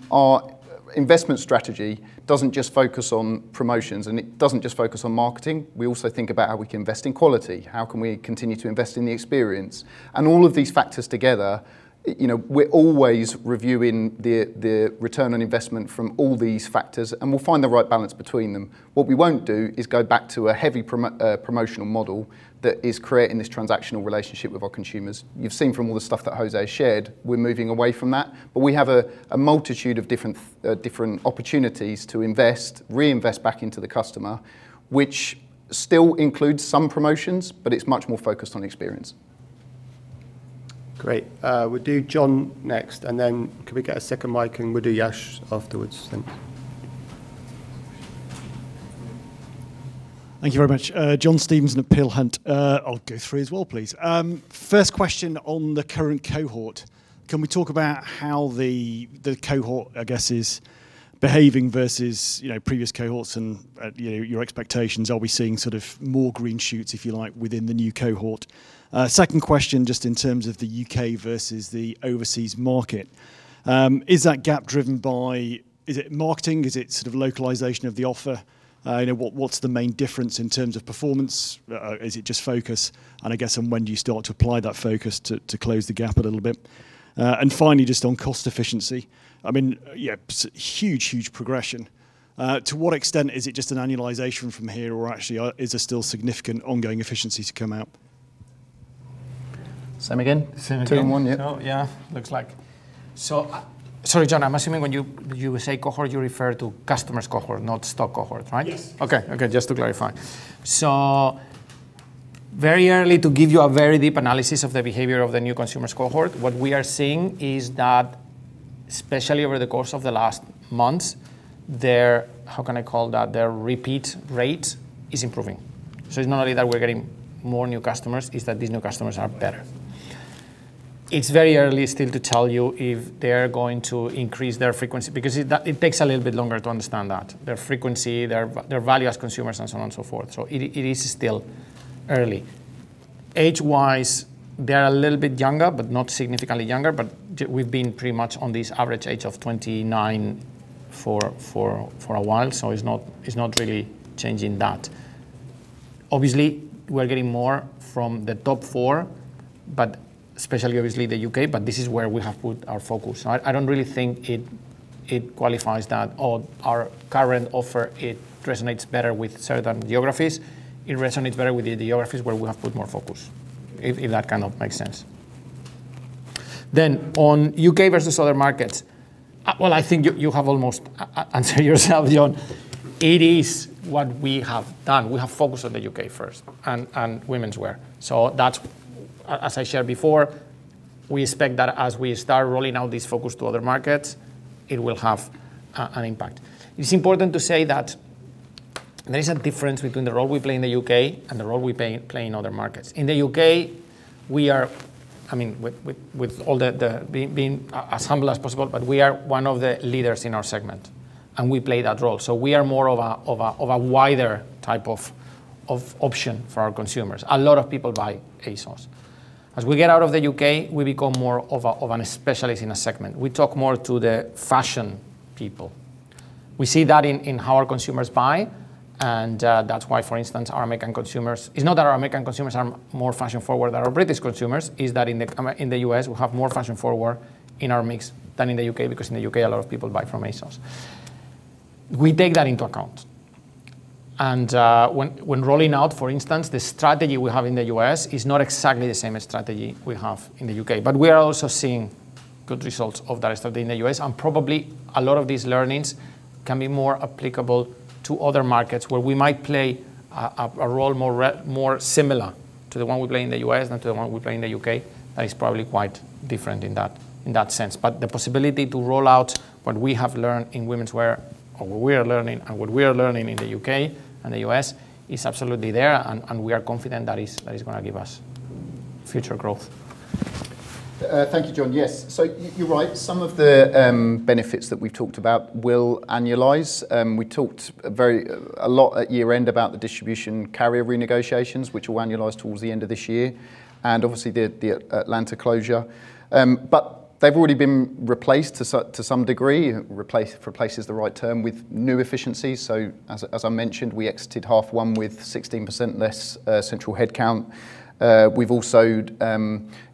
Our investment strategy doesn't just focus on promotions, and it doesn't just focus on marketing. We also think about how we can invest in quality, how can we continue to invest in the experience? All of these factors together, we're always reviewing the return on investment from all these factors, and we'll find the right balance between them. What we won't do is go back to a heavy promotional model that is creating this transactional relationship with our consumers. You've seen from all the stuff that José shared, we're moving away from that. We have a multitude of different opportunities to invest, reinvest back into the customer, which still includes some promotions, but it's much more focused on experience. Great. We'll do John next, and then could we get a second mic, and we'll do Yash afterwards? Thanks. Thank you very much. John Stevenson at Peel Hunt. I'll go through as well, please. First question on the current cohort. Can we talk about how the cohort, I guess, is behaving versus previous cohorts and your expectations? Are we seeing more green shoots, if you like, within the new cohort? Second question, just in terms of the U.K. versus the overseas market. Is that gap driven by, is it marketing? Is it localization of the offer? What's the main difference in terms of performance? Is it just focus? I guess, and when do you start to apply that focus to close the gap a little bit? Finally, just on cost efficiency. Huge progression. To what extent is it just an annualization from here, or actually, is there still significant ongoing efficiency to come out? Same again? Same again. Two in one, yeah. Yeah. Looks like. Sorry John, I'm assuming when you say cohort, you refer to customers cohort, not stock cohort, right? Yes. Okay. Just to clarify. Very early to give you a very deep analysis of the behavior of the new customer cohort. What we are seeing is that, especially over the course of the last months, their, how can I call that? Their repeat rate is improving. It's not only that we're getting more new customers, it's that these new customers are better. It's very early still to tell you if they're going to increase their frequency, because it takes a little bit longer to understand that. Their frequency, their value as consumers, and so on and so forth. It is still early. Age-wise, they are a little bit younger, but not significantly younger. We've been pretty much on this average age of 29 for a while. It's not really changing that. Obviously, we're getting more from the top four, but especially, obviously, the U.K., but this is where we have put our focus. I don't really think it qualifies that our current offer, it resonates better with certain geographies. It resonates better with the geographies where we have put more focus, if that makes sense. On U.K. versus other markets. Well, I think you have almost answered yourself, John. It is what we have done. We have focused on the U.K. first and womenswear. That's, as I shared before, we expect that as we start rolling out this focus to other markets, it will have an impact. It's important to say that there is a difference between the role we play in the U.K. and the role we play in other markets. In the U.K., we are, with all the being as humble as possible, but we are one of the leaders in our segment, and we play that role. We are more of a wider type of option for our consumers. A lot of people buy ASOS. As we get out of the U.K., we become more of a specialist in a segment. We talk more to the fashion people. We see that in how our consumers buy, and that's why, for instance, our American consumers. It's not that our American consumers are more fashion forward than our British consumers. It's that in the U.S., we have more fashion forward in our mix than in the U.K., because in the U.K., a lot of people buy from ASOS. We take that into account. When rolling out, for instance, the strategy we have in the U.S. is not exactly the same as strategy we have in the U.K. We are also seeing good results of that strategy in the U.S., and probably a lot of these learnings can be more applicable to other markets where we might play a role more similar to the one we play in the U.S. than to the one we play in the U.K. That is probably quite different in that sense. The possibility to roll out what we have learned in womenswear or what we are learning in the U.K. and the U.S. is absolutely there, and we are confident that is going to give us future growth. Thank you, John. Yes. You're right, some of the benefits that we've talked about will annualize. We talked a lot at year-end about the distribution carrier renegotiations, which will annualize towards the end of this year, and obviously the Atlanta closure. They've already been replaced to some degree, replaced is the right term, with new efficiencies. As I mentioned, we exited half one with 16% less central headcount. We've also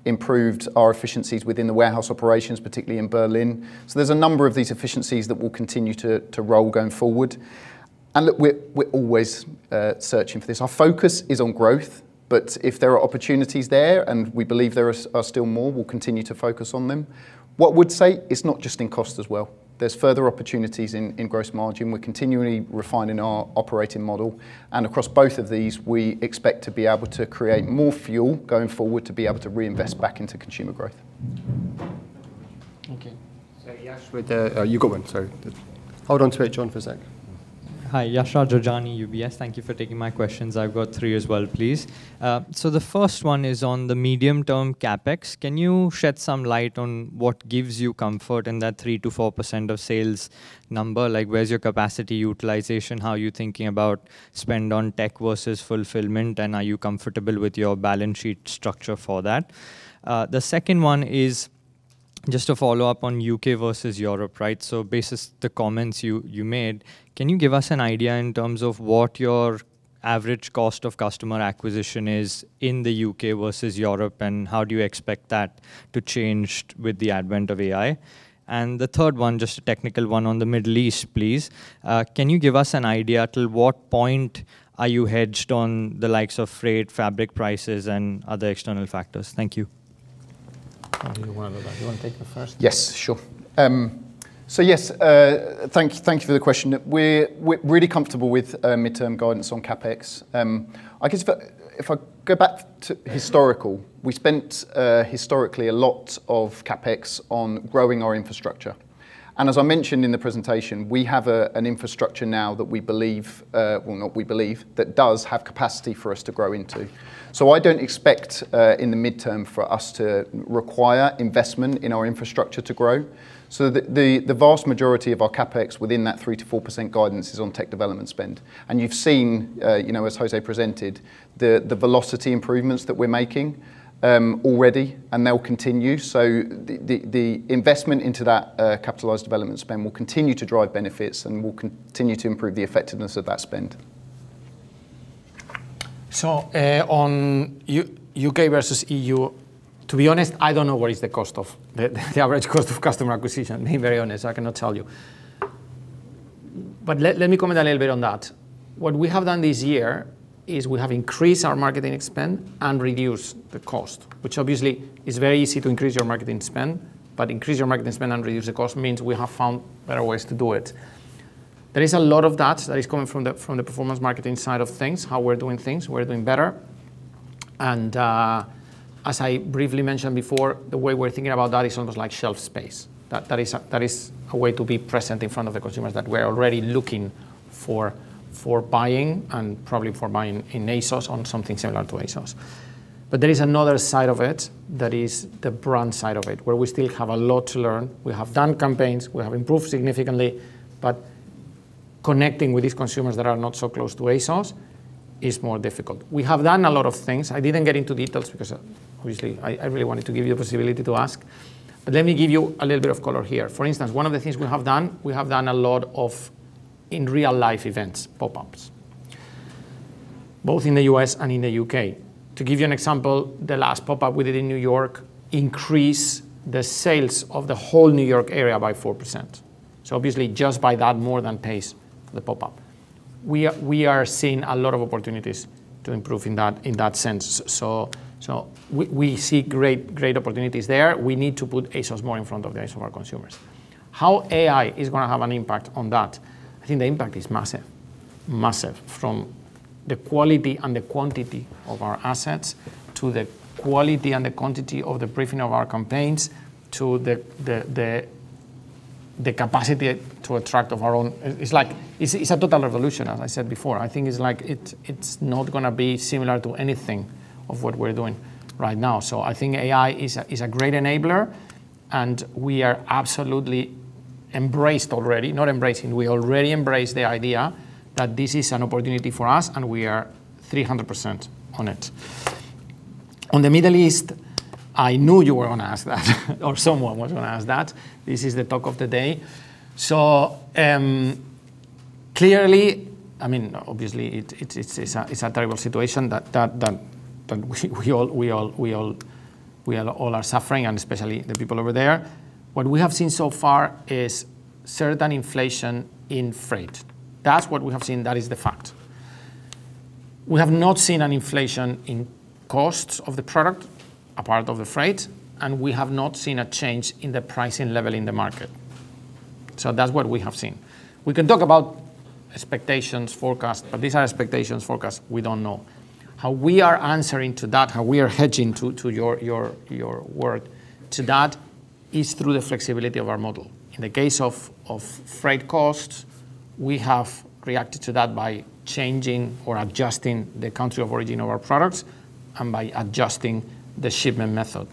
improved our efficiencies within the warehouse operations, particularly in Berlin. There's a number of these efficiencies that will continue to roll going forward. Look, we're always searching for this. Our focus is on growth, but if there are opportunities there, and we believe there are still more, we'll continue to focus on them. What we'd say, it's not just in cost as well. There's further opportunities in gross margin. We're continually refining our operating model, and across both of these, we expect to be able to create more fuel going forward to be able to reinvest back into consumer growth. Okay. Yash. You got one, sorry. Hold on to it, John, for a sec. Hi. Yashraj Rajani, UBS. Thank you for taking my questions. I've got three as well, please. The first one is on the medium-term CapEx. Can you shed some light on what gives you comfort in that 3%-4% of sales number? Where's your capacity utilization? How are you thinking about spend on tech versus fulfillment, and are you comfortable with your balance sheet structure for that? The second one is just a follow-up on U.K. versus Europe, right? Basis the comments you made, can you give us an idea in terms of what your average cost of customer acquisition is in the U.K. versus Europe, and how do you expect that to change with the advent of AI? The third one, just a technical one on the Middle East, please. Can you give us an idea till what point are you hedged on the likes of freight, fabric prices, and other external factors? Thank you. How do you want to do that? You want to take the first? Yes. Sure. Yes, thank you for the question. We're really comfortable with mid-term guidance on CapEx. I guess, if I go back historically, we spent, historically, a lot of CapEx on growing our infrastructure. As I mentioned in the presentation, we have an infrastructure now that does have capacity for us to grow into. I don't expect, in the mid-term, for us to require investment in our infrastructure to grow. The vast majority of our CapEx within that 3%-4% guidance is on tech development spend. You've seen, as José presented, the velocity improvements that we're making already, and they'll continue. The investment into that capitalized development spend will continue to drive benefits and will continue to improve the effectiveness of that spend. On U.K. versus EU, to be honest, I don't know what is the average cost of customer acquisition. Being very honest, I cannot tell you. Let me comment a little bit on that. What we have done this year is we have increased our marketing spend and reduced the cost, which obviously is very easy to increase your marketing spend, but to reduce the cost means we have found better ways to do it. There is a lot of that is coming from the performance marketing side of things, how we're doing things. We're doing better. As I briefly mentioned before, the way we're thinking about that is almost like shelf space. That is a way to be present in front of the consumers that were already looking to buy and probably buying on ASOS or something similar to ASOS. There is another side of it that is the brand side of it, where we still have a lot to learn. We have done campaigns, we have improved significantly, but connecting with these consumers that are not so close to ASOS is more difficult. We have done a lot of things. I didn't get into details because, obviously, I really wanted to give you a possibility to ask, but let me give you a little bit of color here. For instance, one of the things we have done, we have done a lot of in real life events, pop-ups, both in the U.S. and in the U.K. To give you an example, the last pop-up we did in New York increased the sales of the whole New York area by 4%. Obviously, just by that, more than pays for the pop-up. We are seeing a lot of opportunities to improve in that sense. We see great opportunities there. We need to put ASOS more in front of the eyes of our consumers. How AI is going to have an impact on that? I think the impact is massive. From the quality and the quantity of our assets, to the quality and the quantity of the briefing of our campaigns, to the capacity to attract of our own. It's a total revolution, as I said before. I think it's not going to be similar to anything of what we're doing right now. I think AI is a great enabler, and we absolutely already embrace the idea that this is an opportunity for us, and we are 300% on it. On the Middle East, I knew you were going to ask that, or someone was going to ask that. This is the talk of the day. Clearly, obviously, it's a terrible situation that we all are suffering, and especially the people over there. What we have seen so far is certain inflation in freight. That's what we have seen. That is the fact. We have not seen an inflation in costs of the product, apart from the freight, and we have not seen a change in the pricing level in the market. That's what we have seen. We can talk about expectations, forecast, but these are expectations, forecast, we don't know. How we are answering to that, how we are hedging, to your word, to that, is through the flexibility of our model. In the case of freight costs, we have reacted to that by changing or adjusting the country of origin of our products and by adjusting the shipment method.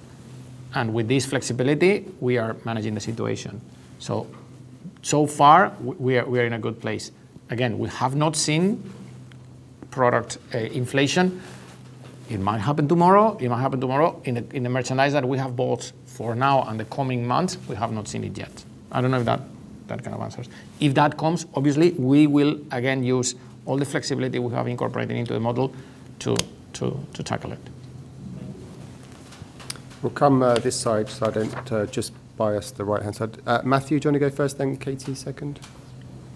With this flexibility, we are managing the situation. so far, we are in a good place. Again, we have not seen product inflation. It might happen tomorrow. It might happen tomorrow. In the merchandise that we have bought for now and the coming months, we have not seen it yet. I don't know if that kind of answers. If that comes, obviously, we will again use all the flexibility we have incorporated into the model to tackle it. We'll come this side, so I don't just bias the right-hand side. Matthew, do you want to go first, then Katie second?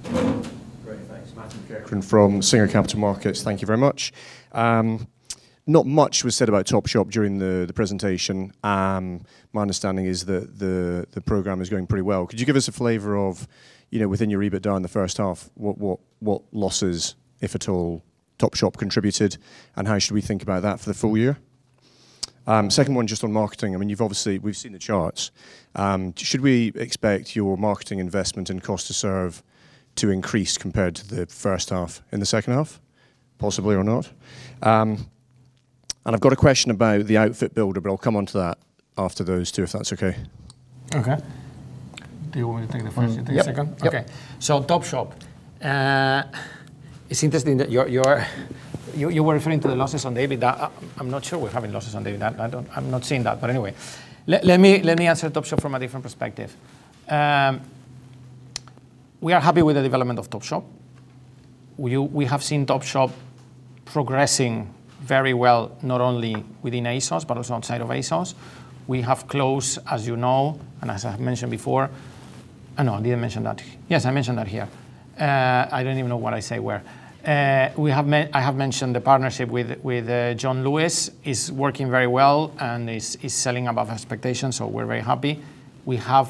Great. Thanks. Matthew McEachran from Singer Capital Markets. Thank you very much. Not much was said about Topshop during the presentation. My understanding is that the program is going pretty well. Could you give us a flavor of, within your EBITDA in the first half, what losses, if at all? Topshop contributed, and how should we think about that for the full year? Second one, just on marketing. We've seen the charts. Should we expect your marketing investment and cost to serve to increase compared to the first half in the second half, possibly or not? I've got a question about the outfit builder, but I'll come onto that after those two, if that's okay. Okay. Do you want me to take the first and take the second? Yep. Okay. Topshop. It's interesting that you were referring to the losses on the EBITDA. I'm not sure we're having losses on the EBITDA. I'm not seeing that, but anyway. Let me answer Topshop from a different perspective. We are happy with the development of Topshop. We have seen Topshop progressing very well, not only within ASOS, but also outside of ASOS. I have mentioned the partnership with John Lewis is working very well and is selling above expectations, so we're very happy. We have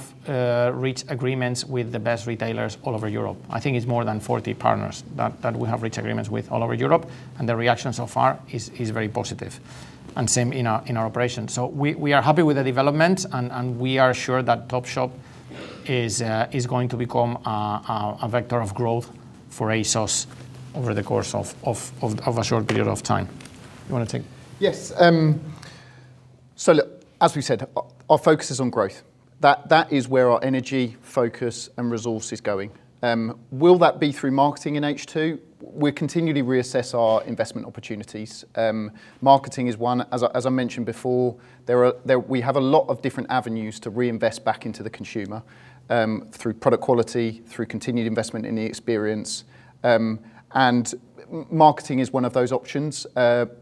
reached agreements with the best retailers all over Europe. I think it's more than 40 partners that we have reached agreements with all over Europe, and the reaction so far is very positive. Same in our operations. We are happy with the development, and we are sure that Topshop is going to become a vector of growth for ASOS over the course of a short period of time. You want to take? Yes. Look, as we said, our focus is on growth. That is where our energy, focus, and resource is going. Will that be through marketing in H2? We continually reassess our investment opportunities. Marketing is one. As I mentioned before, we have a lot of different avenues to reinvest back into the consumer, through product quality, through continued investment in the experience. Marketing is one of those options.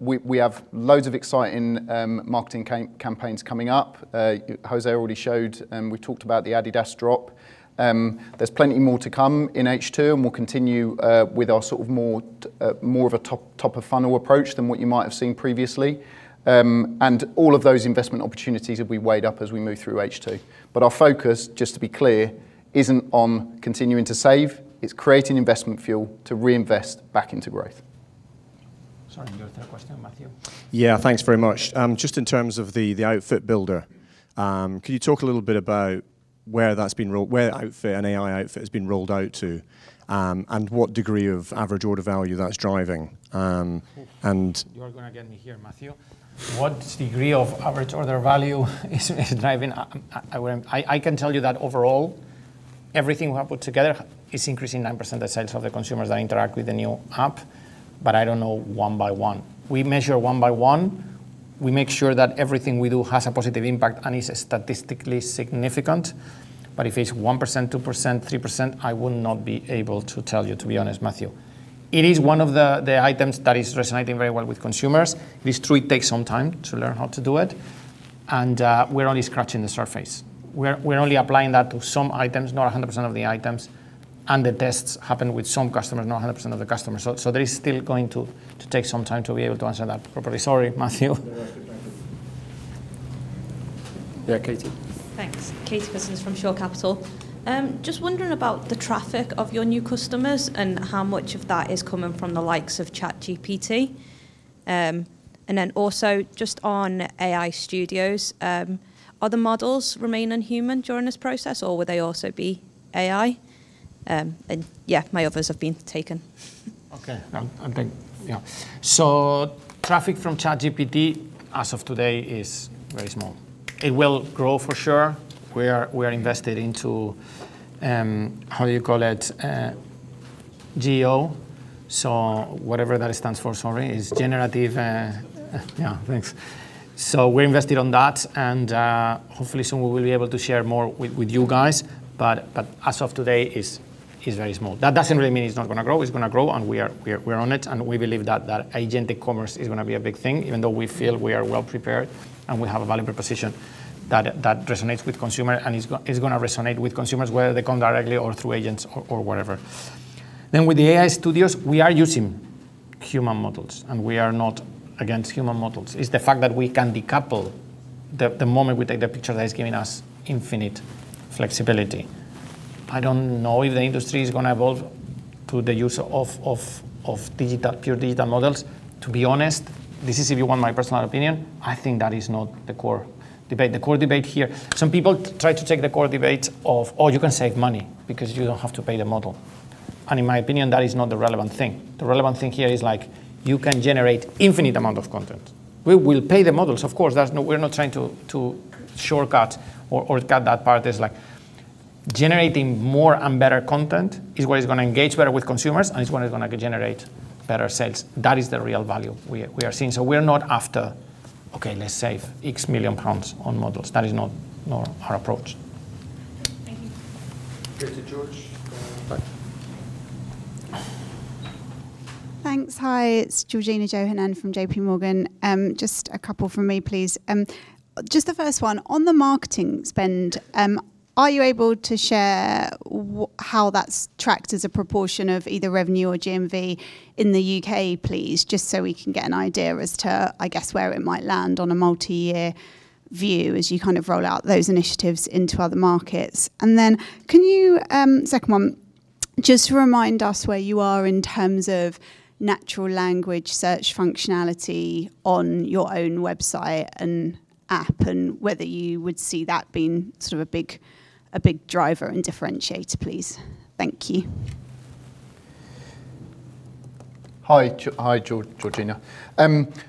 We have loads of exciting marketing campaigns coming up. José already showed, and we talked about the Adidas drop. There's plenty more to come in H2, and we'll continue with our more of a top-of-funnel approach than what you might have seen previously. All of those investment opportunities will be weighed up as we move through H2. Our focus, just to be clear, isn't on continuing to save. It's creating investment fuel to reinvest back into growth. Sorry, your third question, Matthew. Yeah, thanks very much. Just in terms of the outfit builder, can you talk a little bit about where an AI outfit has been rolled out to, and what degree of average order value that's driving? You are going to get me here, Matthew. What degree of average order value is driving? I can tell you that overall, everything we have put together is increasing 9% the sales of the consumers that interact with the new app, but I don't know one by one. We measure one by one. We make sure that everything we do has a positive impact and is statistically significant. If it's 1%, 2%, 3%, I will not be able to tell you, to be honest, Matthew. It is one of the items that is resonating very well with consumers. It is true it takes some time to learn how to do it, and we're only scratching the surface. We're only applying that to some items, not 100% of the items, and the tests happen with some customers, not 100% of the customers. There is still going to take some time to be able to answer that properly. Sorry, Matthew. No, that's okay. Thank you. Yeah, Katie. Thanks. Katie Cousins from Shore Capital. Just wondering about the traffic of your new customers and how much of that is coming from the likes of ChatGPT. Also just on AI Studios, are the models remain inhuman during this process, or will they also be AI? Yeah, my others have been taken. Okay. Yeah. Traffic from ChatGPT as of today is very small. It will grow for sure. We are invested into, how do you call it? GO, so whatever that stands for, sorry, is generative. Generative AI. Yeah, thanks. We're invested on that, and hopefully soon we will be able to share more with you guys. As of today, it's very small. That doesn't really mean it's not going to grow. It's going to grow, and we're on it, and we believe that agent ecommerce is going to be a big thing, even though we feel we are well prepared, and we have a valuable position that resonates with consumer and is going to resonate with consumers, whether they come directly or through agents or whatever. With the AI Studios, we are using human models, and we are not against human models. It's the fact that we can decouple the moment we take the picture that is giving us infinite flexibility. I don't know if the industry is going to evolve to the use of pure data models. To be honest, this is if you want my personal opinion, I think that is not the core debate. Some people try to take the core debate of, oh, you can save money because you don't have to pay the model. In my opinion, that is not the relevant thing. The relevant thing here is you can generate infinite amount of content. We will pay the models, of course. We're not trying to shortcut or cut that part. Generating more and better content is what is going to engage better with consumers, and it's what is going to generate better sales. That is the real value we are seeing. We are not after, okay, let's save GBP X million on models. That is not our approach. Thank you. Okay, to George. Right. Thanks. Hi, it's Georgina Johanan from JPMorgan. Just a couple from me, please. Just the first one. On the marketing spend, are you able to share how that's tracked as a proportion of either revenue or GMV in the U.K., please? Just so we can get an idea as to, I guess, where it might land on a multi-year view as you roll out those initiatives into other markets. Second one. Just remind us where you are in terms of natural language search functionality on your own website and app, and whether you would see that being sort of a big driver and differentiator, please. Thank you. Hi, Georgina.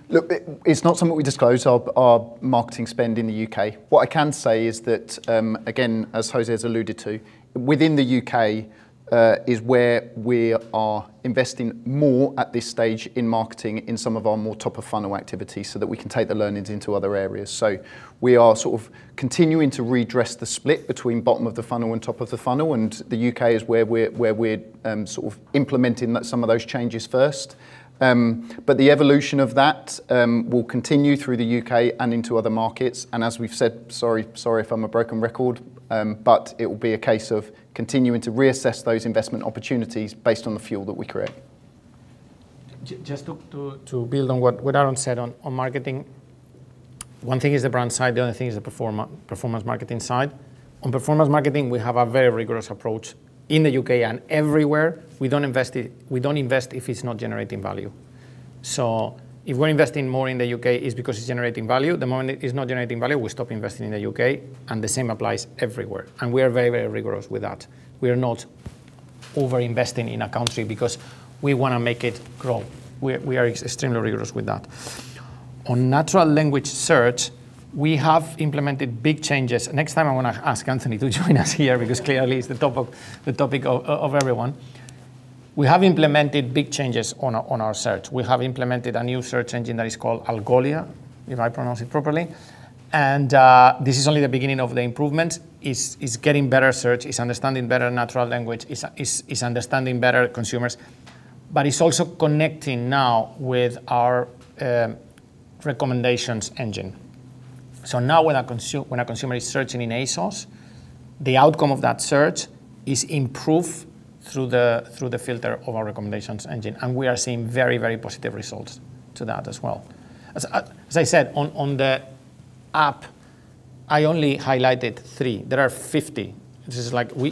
Look, it's not something we disclose, our marketing spend in the U.K. What I can say is that, again, as José has alluded to, within the U.K. is where we are investing more at this stage in marketing in some of our more top-of-funnel activities so that we can take the learnings into other areas. We are sort of continuing to redress the split between bottom of the funnel and top of the funnel, and the U.K. is where we're sort of implementing some of those changes first. The evolution of that will continue through the U.K. and into other markets. As we've said, sorry if I'm a broken record, but it will be a case of continuing to reassess those investment opportunities based on the fuel that we create. Just to build on what Aaron said on marketing. One thing is the brand side, the other thing is the performance marketing side. On performance marketing, we have a very rigorous approach in the U.K. and everywhere. We don't invest if it's not generating value. If we're investing more in the U.K., it's because it's generating value. The moment it is not generating value, we stop investing in the U.K., and the same applies everywhere. We are very rigorous with that. We are not over-investing in a country because we want to make it grow. We are extremely rigorous with that. On natural language search, we have implemented big changes. Next time, I'm going to ask Anthony to join us here, because clearly it's the topic of everyone. We have implemented big changes on our search. We have implemented a new search engine that is called Algolia, if I pronounce it properly. This is only the beginning of the improvement. It's getting better search, it's understanding better natural language. It's understanding better consumers, but it's also connecting now with our recommendations engine. Now when a consumer is searching in ASOS, the outcome of that search is improved through the filter of our recommendations engine, and we are seeing very positive results to that as well. As I said on the app, I only highlighted three. There are 50.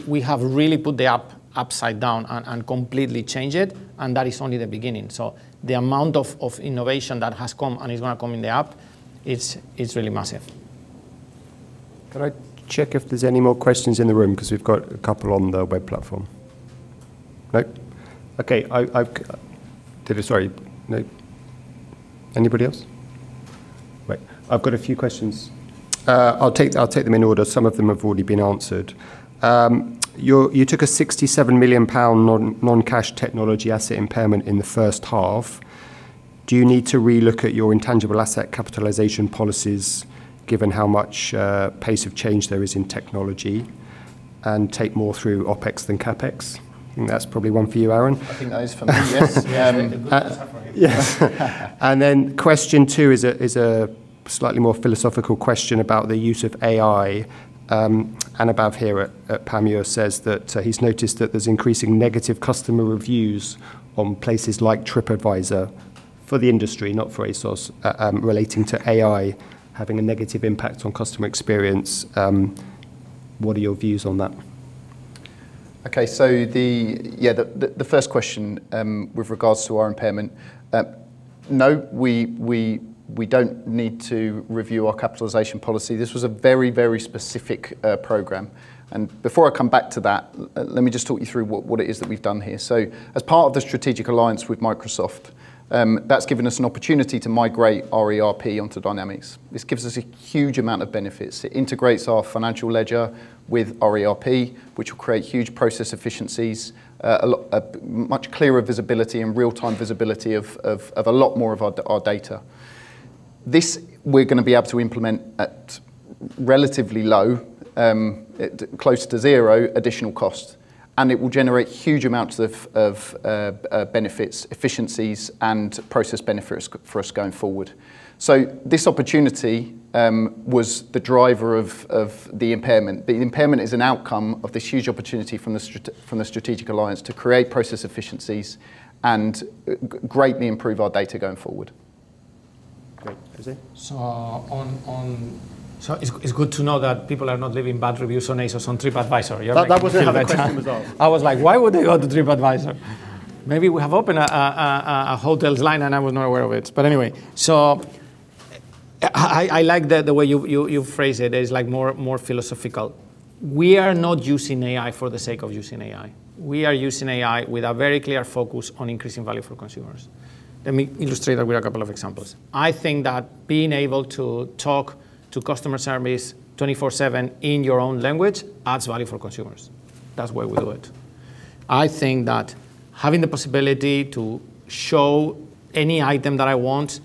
We have really put the app upside down and completely changed it, and that is only the beginning. The amount of innovation that has come and is going to come in the app, it's really massive. Can I check if there's any more questions in the room? Because we've got a couple on the web platform. No? Okay. David, sorry. No. Anybody else? Right. I've got a few questions. I'll take them in order. Some of them have already been answered. You took a 67 million pound non-cash technology asset impairment in the first half. Do you need to re-look at your intangible asset capitalization policies, given how much pace of change there is in technology, and take more through OpEx than CapEx? I think that's probably one for you, Aaron. I think that is for me, yes. Yes. Question two is a slightly more philosophical question about the use of AI. Anubhav Malhotra here at Panmure says that he's noticed that there's increasing negative customer reviews on places like Tripadvisor for the industry, not for ASOS, relating to AI having a negative impact on customer experience. What are your views on that? Okay. The first question with regards to our impairment, no, we don't need to review our capitalization policy. This was a very specific program. Before I come back to that, let me just talk you through what it is that we've done here. As part of the strategic alliance with Microsoft, that's given us an opportunity to migrate our ERP onto Dynamics. This gives us a huge amount of benefits. It integrates our financial ledger with our ERP, which will create huge process efficiencies, a much clearer visibility and real-time visibility of a lot more of our data. This, we're going to be able to implement at relatively low, close to zero additional cost, and it will generate huge amounts of benefits, efficiencies, and process benefits for us going forward. This opportunity was the driver of the impairment. The impairment is an outcome of this huge opportunity from the strategic alliance to create process efficiencies and greatly improve our data going forward. Great. José? It's good to know that people are not leaving bad reviews on ASOS on Tripadvisor. That was the question resolved. I was like, "Why would they go to Tripadvisor?" Maybe we have opened a hotels line and I was not aware of it. Anyway. I like the way you phrase it, as more philosophical. We are not using AI for the sake of using AI. We are using AI with a very clear focus on increasing value for consumers. Let me illustrate that with a couple of examples. I think that being able to talk to customer service 24/7 in your own language adds value for consumers. That's why we do it. I think that having the possibility to show any item that I want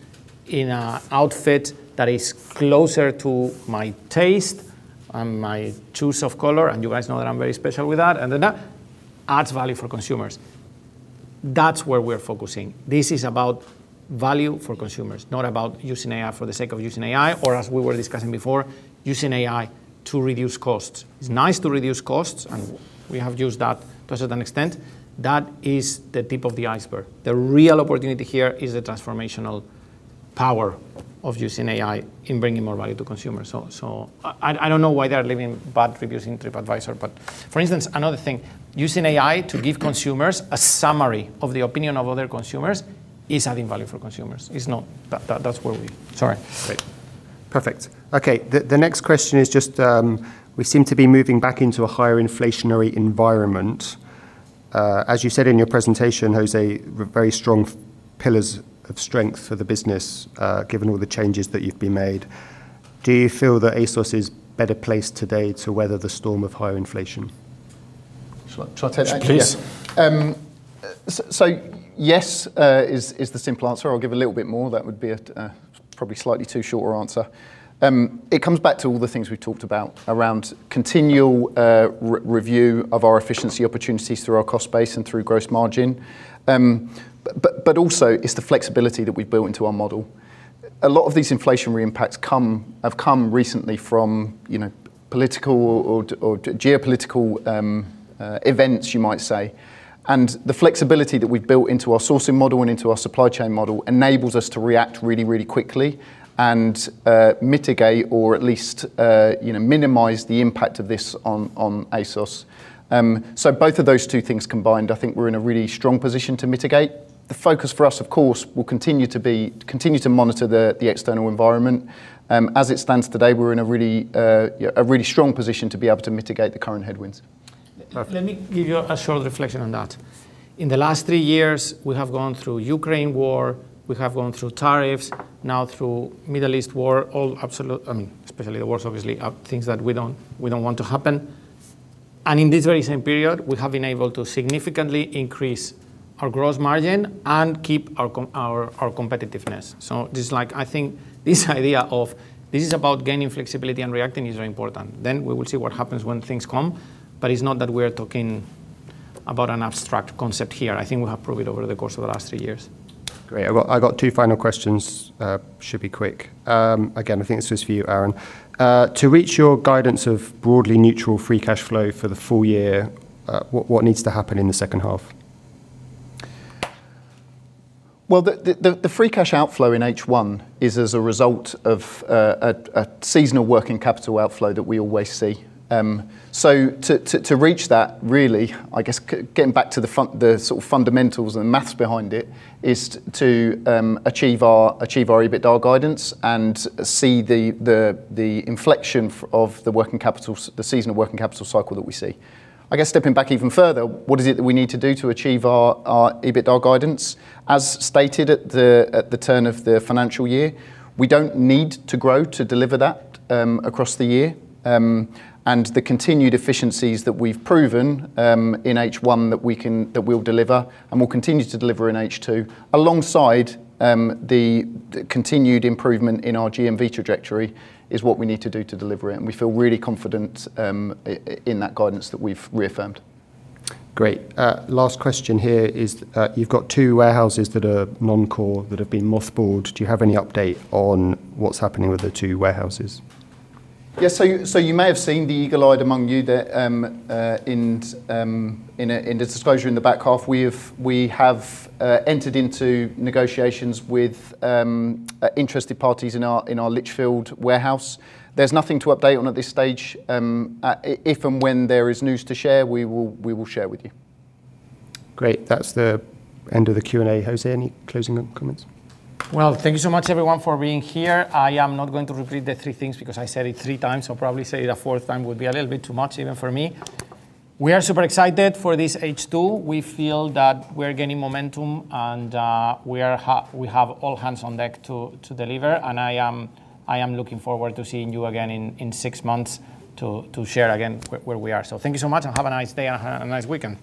in an outfit that is closer to my taste and my choice of color, and you guys know that I'm very special with that and that adds value for consumers. That's where we're focusing. This is about value for consumers, not about using AI for the sake of using AI, or, as we were discussing before, using AI to reduce costs. It's nice to reduce costs, and we have used that to a certain extent. That is the tip of the iceberg. The real opportunity here is the transformational power of using AI in bringing more value to consumers. I don't know why they are leaving bad reviews in Tripadvisor. For instance, another thing, using AI to give consumers a summary of the opinion of other consumers is adding value for consumers. Great. Perfect. Okay. The next question is just, we seem to be moving back into a higher inflationary environment. As you said in your presentation, José, very strong pillars of strength for the business, given all the changes that you've made. Do you feel that ASOS is better placed today to weather the storm of higher inflation? Shall I touch on that? Please. Yes is the simple answer. I'll give a little bit more. That would be a probably slightly too shorter answer. It comes back to all the things we've talked about around continual review of our efficiency opportunities through our cost base and through gross margin. Also, it's the flexibility that we've built into our model. A lot of these inflationary impacts have come recently from political or geopolitical events, you might say. The flexibility that we've built into our sourcing model and into our supply chain model enables us to react really, really quickly and mitigate or at least minimize the impact of this on ASOS. Both of those two things combined, I think we're in a really strong position to mitigate. The focus for us, of course, will continue to monitor the external environment. As it stands today, we're in a really strong position to be able to mitigate the current headwinds. Perfect. Let me give you a short reflection on that. In the last three years, we have gone through Ukraine war, we have gone through tariffs, now through Middle East war, all absolute, I mean, especially the wars obviously are things that we don't want to happen. In this very same period, we have been able to significantly increase our gross margin and keep our competitiveness. I think this idea of this is about gaining flexibility and reacting is very important. We will see what happens when things come, but it's not that we're talking about an abstract concept here. I think we have proved it over the course of the last three years. Great. I've got two final questions. Should be quick. Again, I think this is for you, Aaron. To reach your guidance of broadly neutral free cash flow for the full year, what needs to happen in the second half? Well, the free cash outflow in H1 is as a result of a seasonal working capital outflow that we always see. To reach that, really, I guess getting back to the sort of fundamentals and math behind it, is to achieve our EBITDA guidance and see the inflection of the seasonal working capital cycle that we see. I guess stepping back even further, what is it that we need to do to achieve our EBITDA guidance? As stated at the turn of the financial year, we don't need to grow to deliver that across the year. The continued efficiencies that we've proven in H1 that we'll deliver, and we'll continue to deliver in H2, alongside the continued improvement in our GMV trajectory, is what we need to do to deliver it. We feel really confident in that guidance that we've reaffirmed. Great. Last question here is, you've got two warehouses that are non-core that have been mothballed. Do you have any update on what's happening with the two warehouses? Yes. You may have seen, the eagle-eyed among you, in the disclosure in the back half, we have entered into negotiations with interested parties in our Lichfield warehouse. There's nothing to update on at this stage. If and when there is news to share, we will share with you. Great. That's the end of the Q&A. José, any closing comments? Well, thank you so much everyone for being here. I am not going to repeat the three things because I said it three times, so probably say it a fourth time would be a little bit too much even for me. We are super excited for this H2. We feel that we're gaining momentum and we have all hands on deck to deliver, and I am looking forward to seeing you again in six months to share again where we are. Thank you so much and have a nice day and a nice weekend.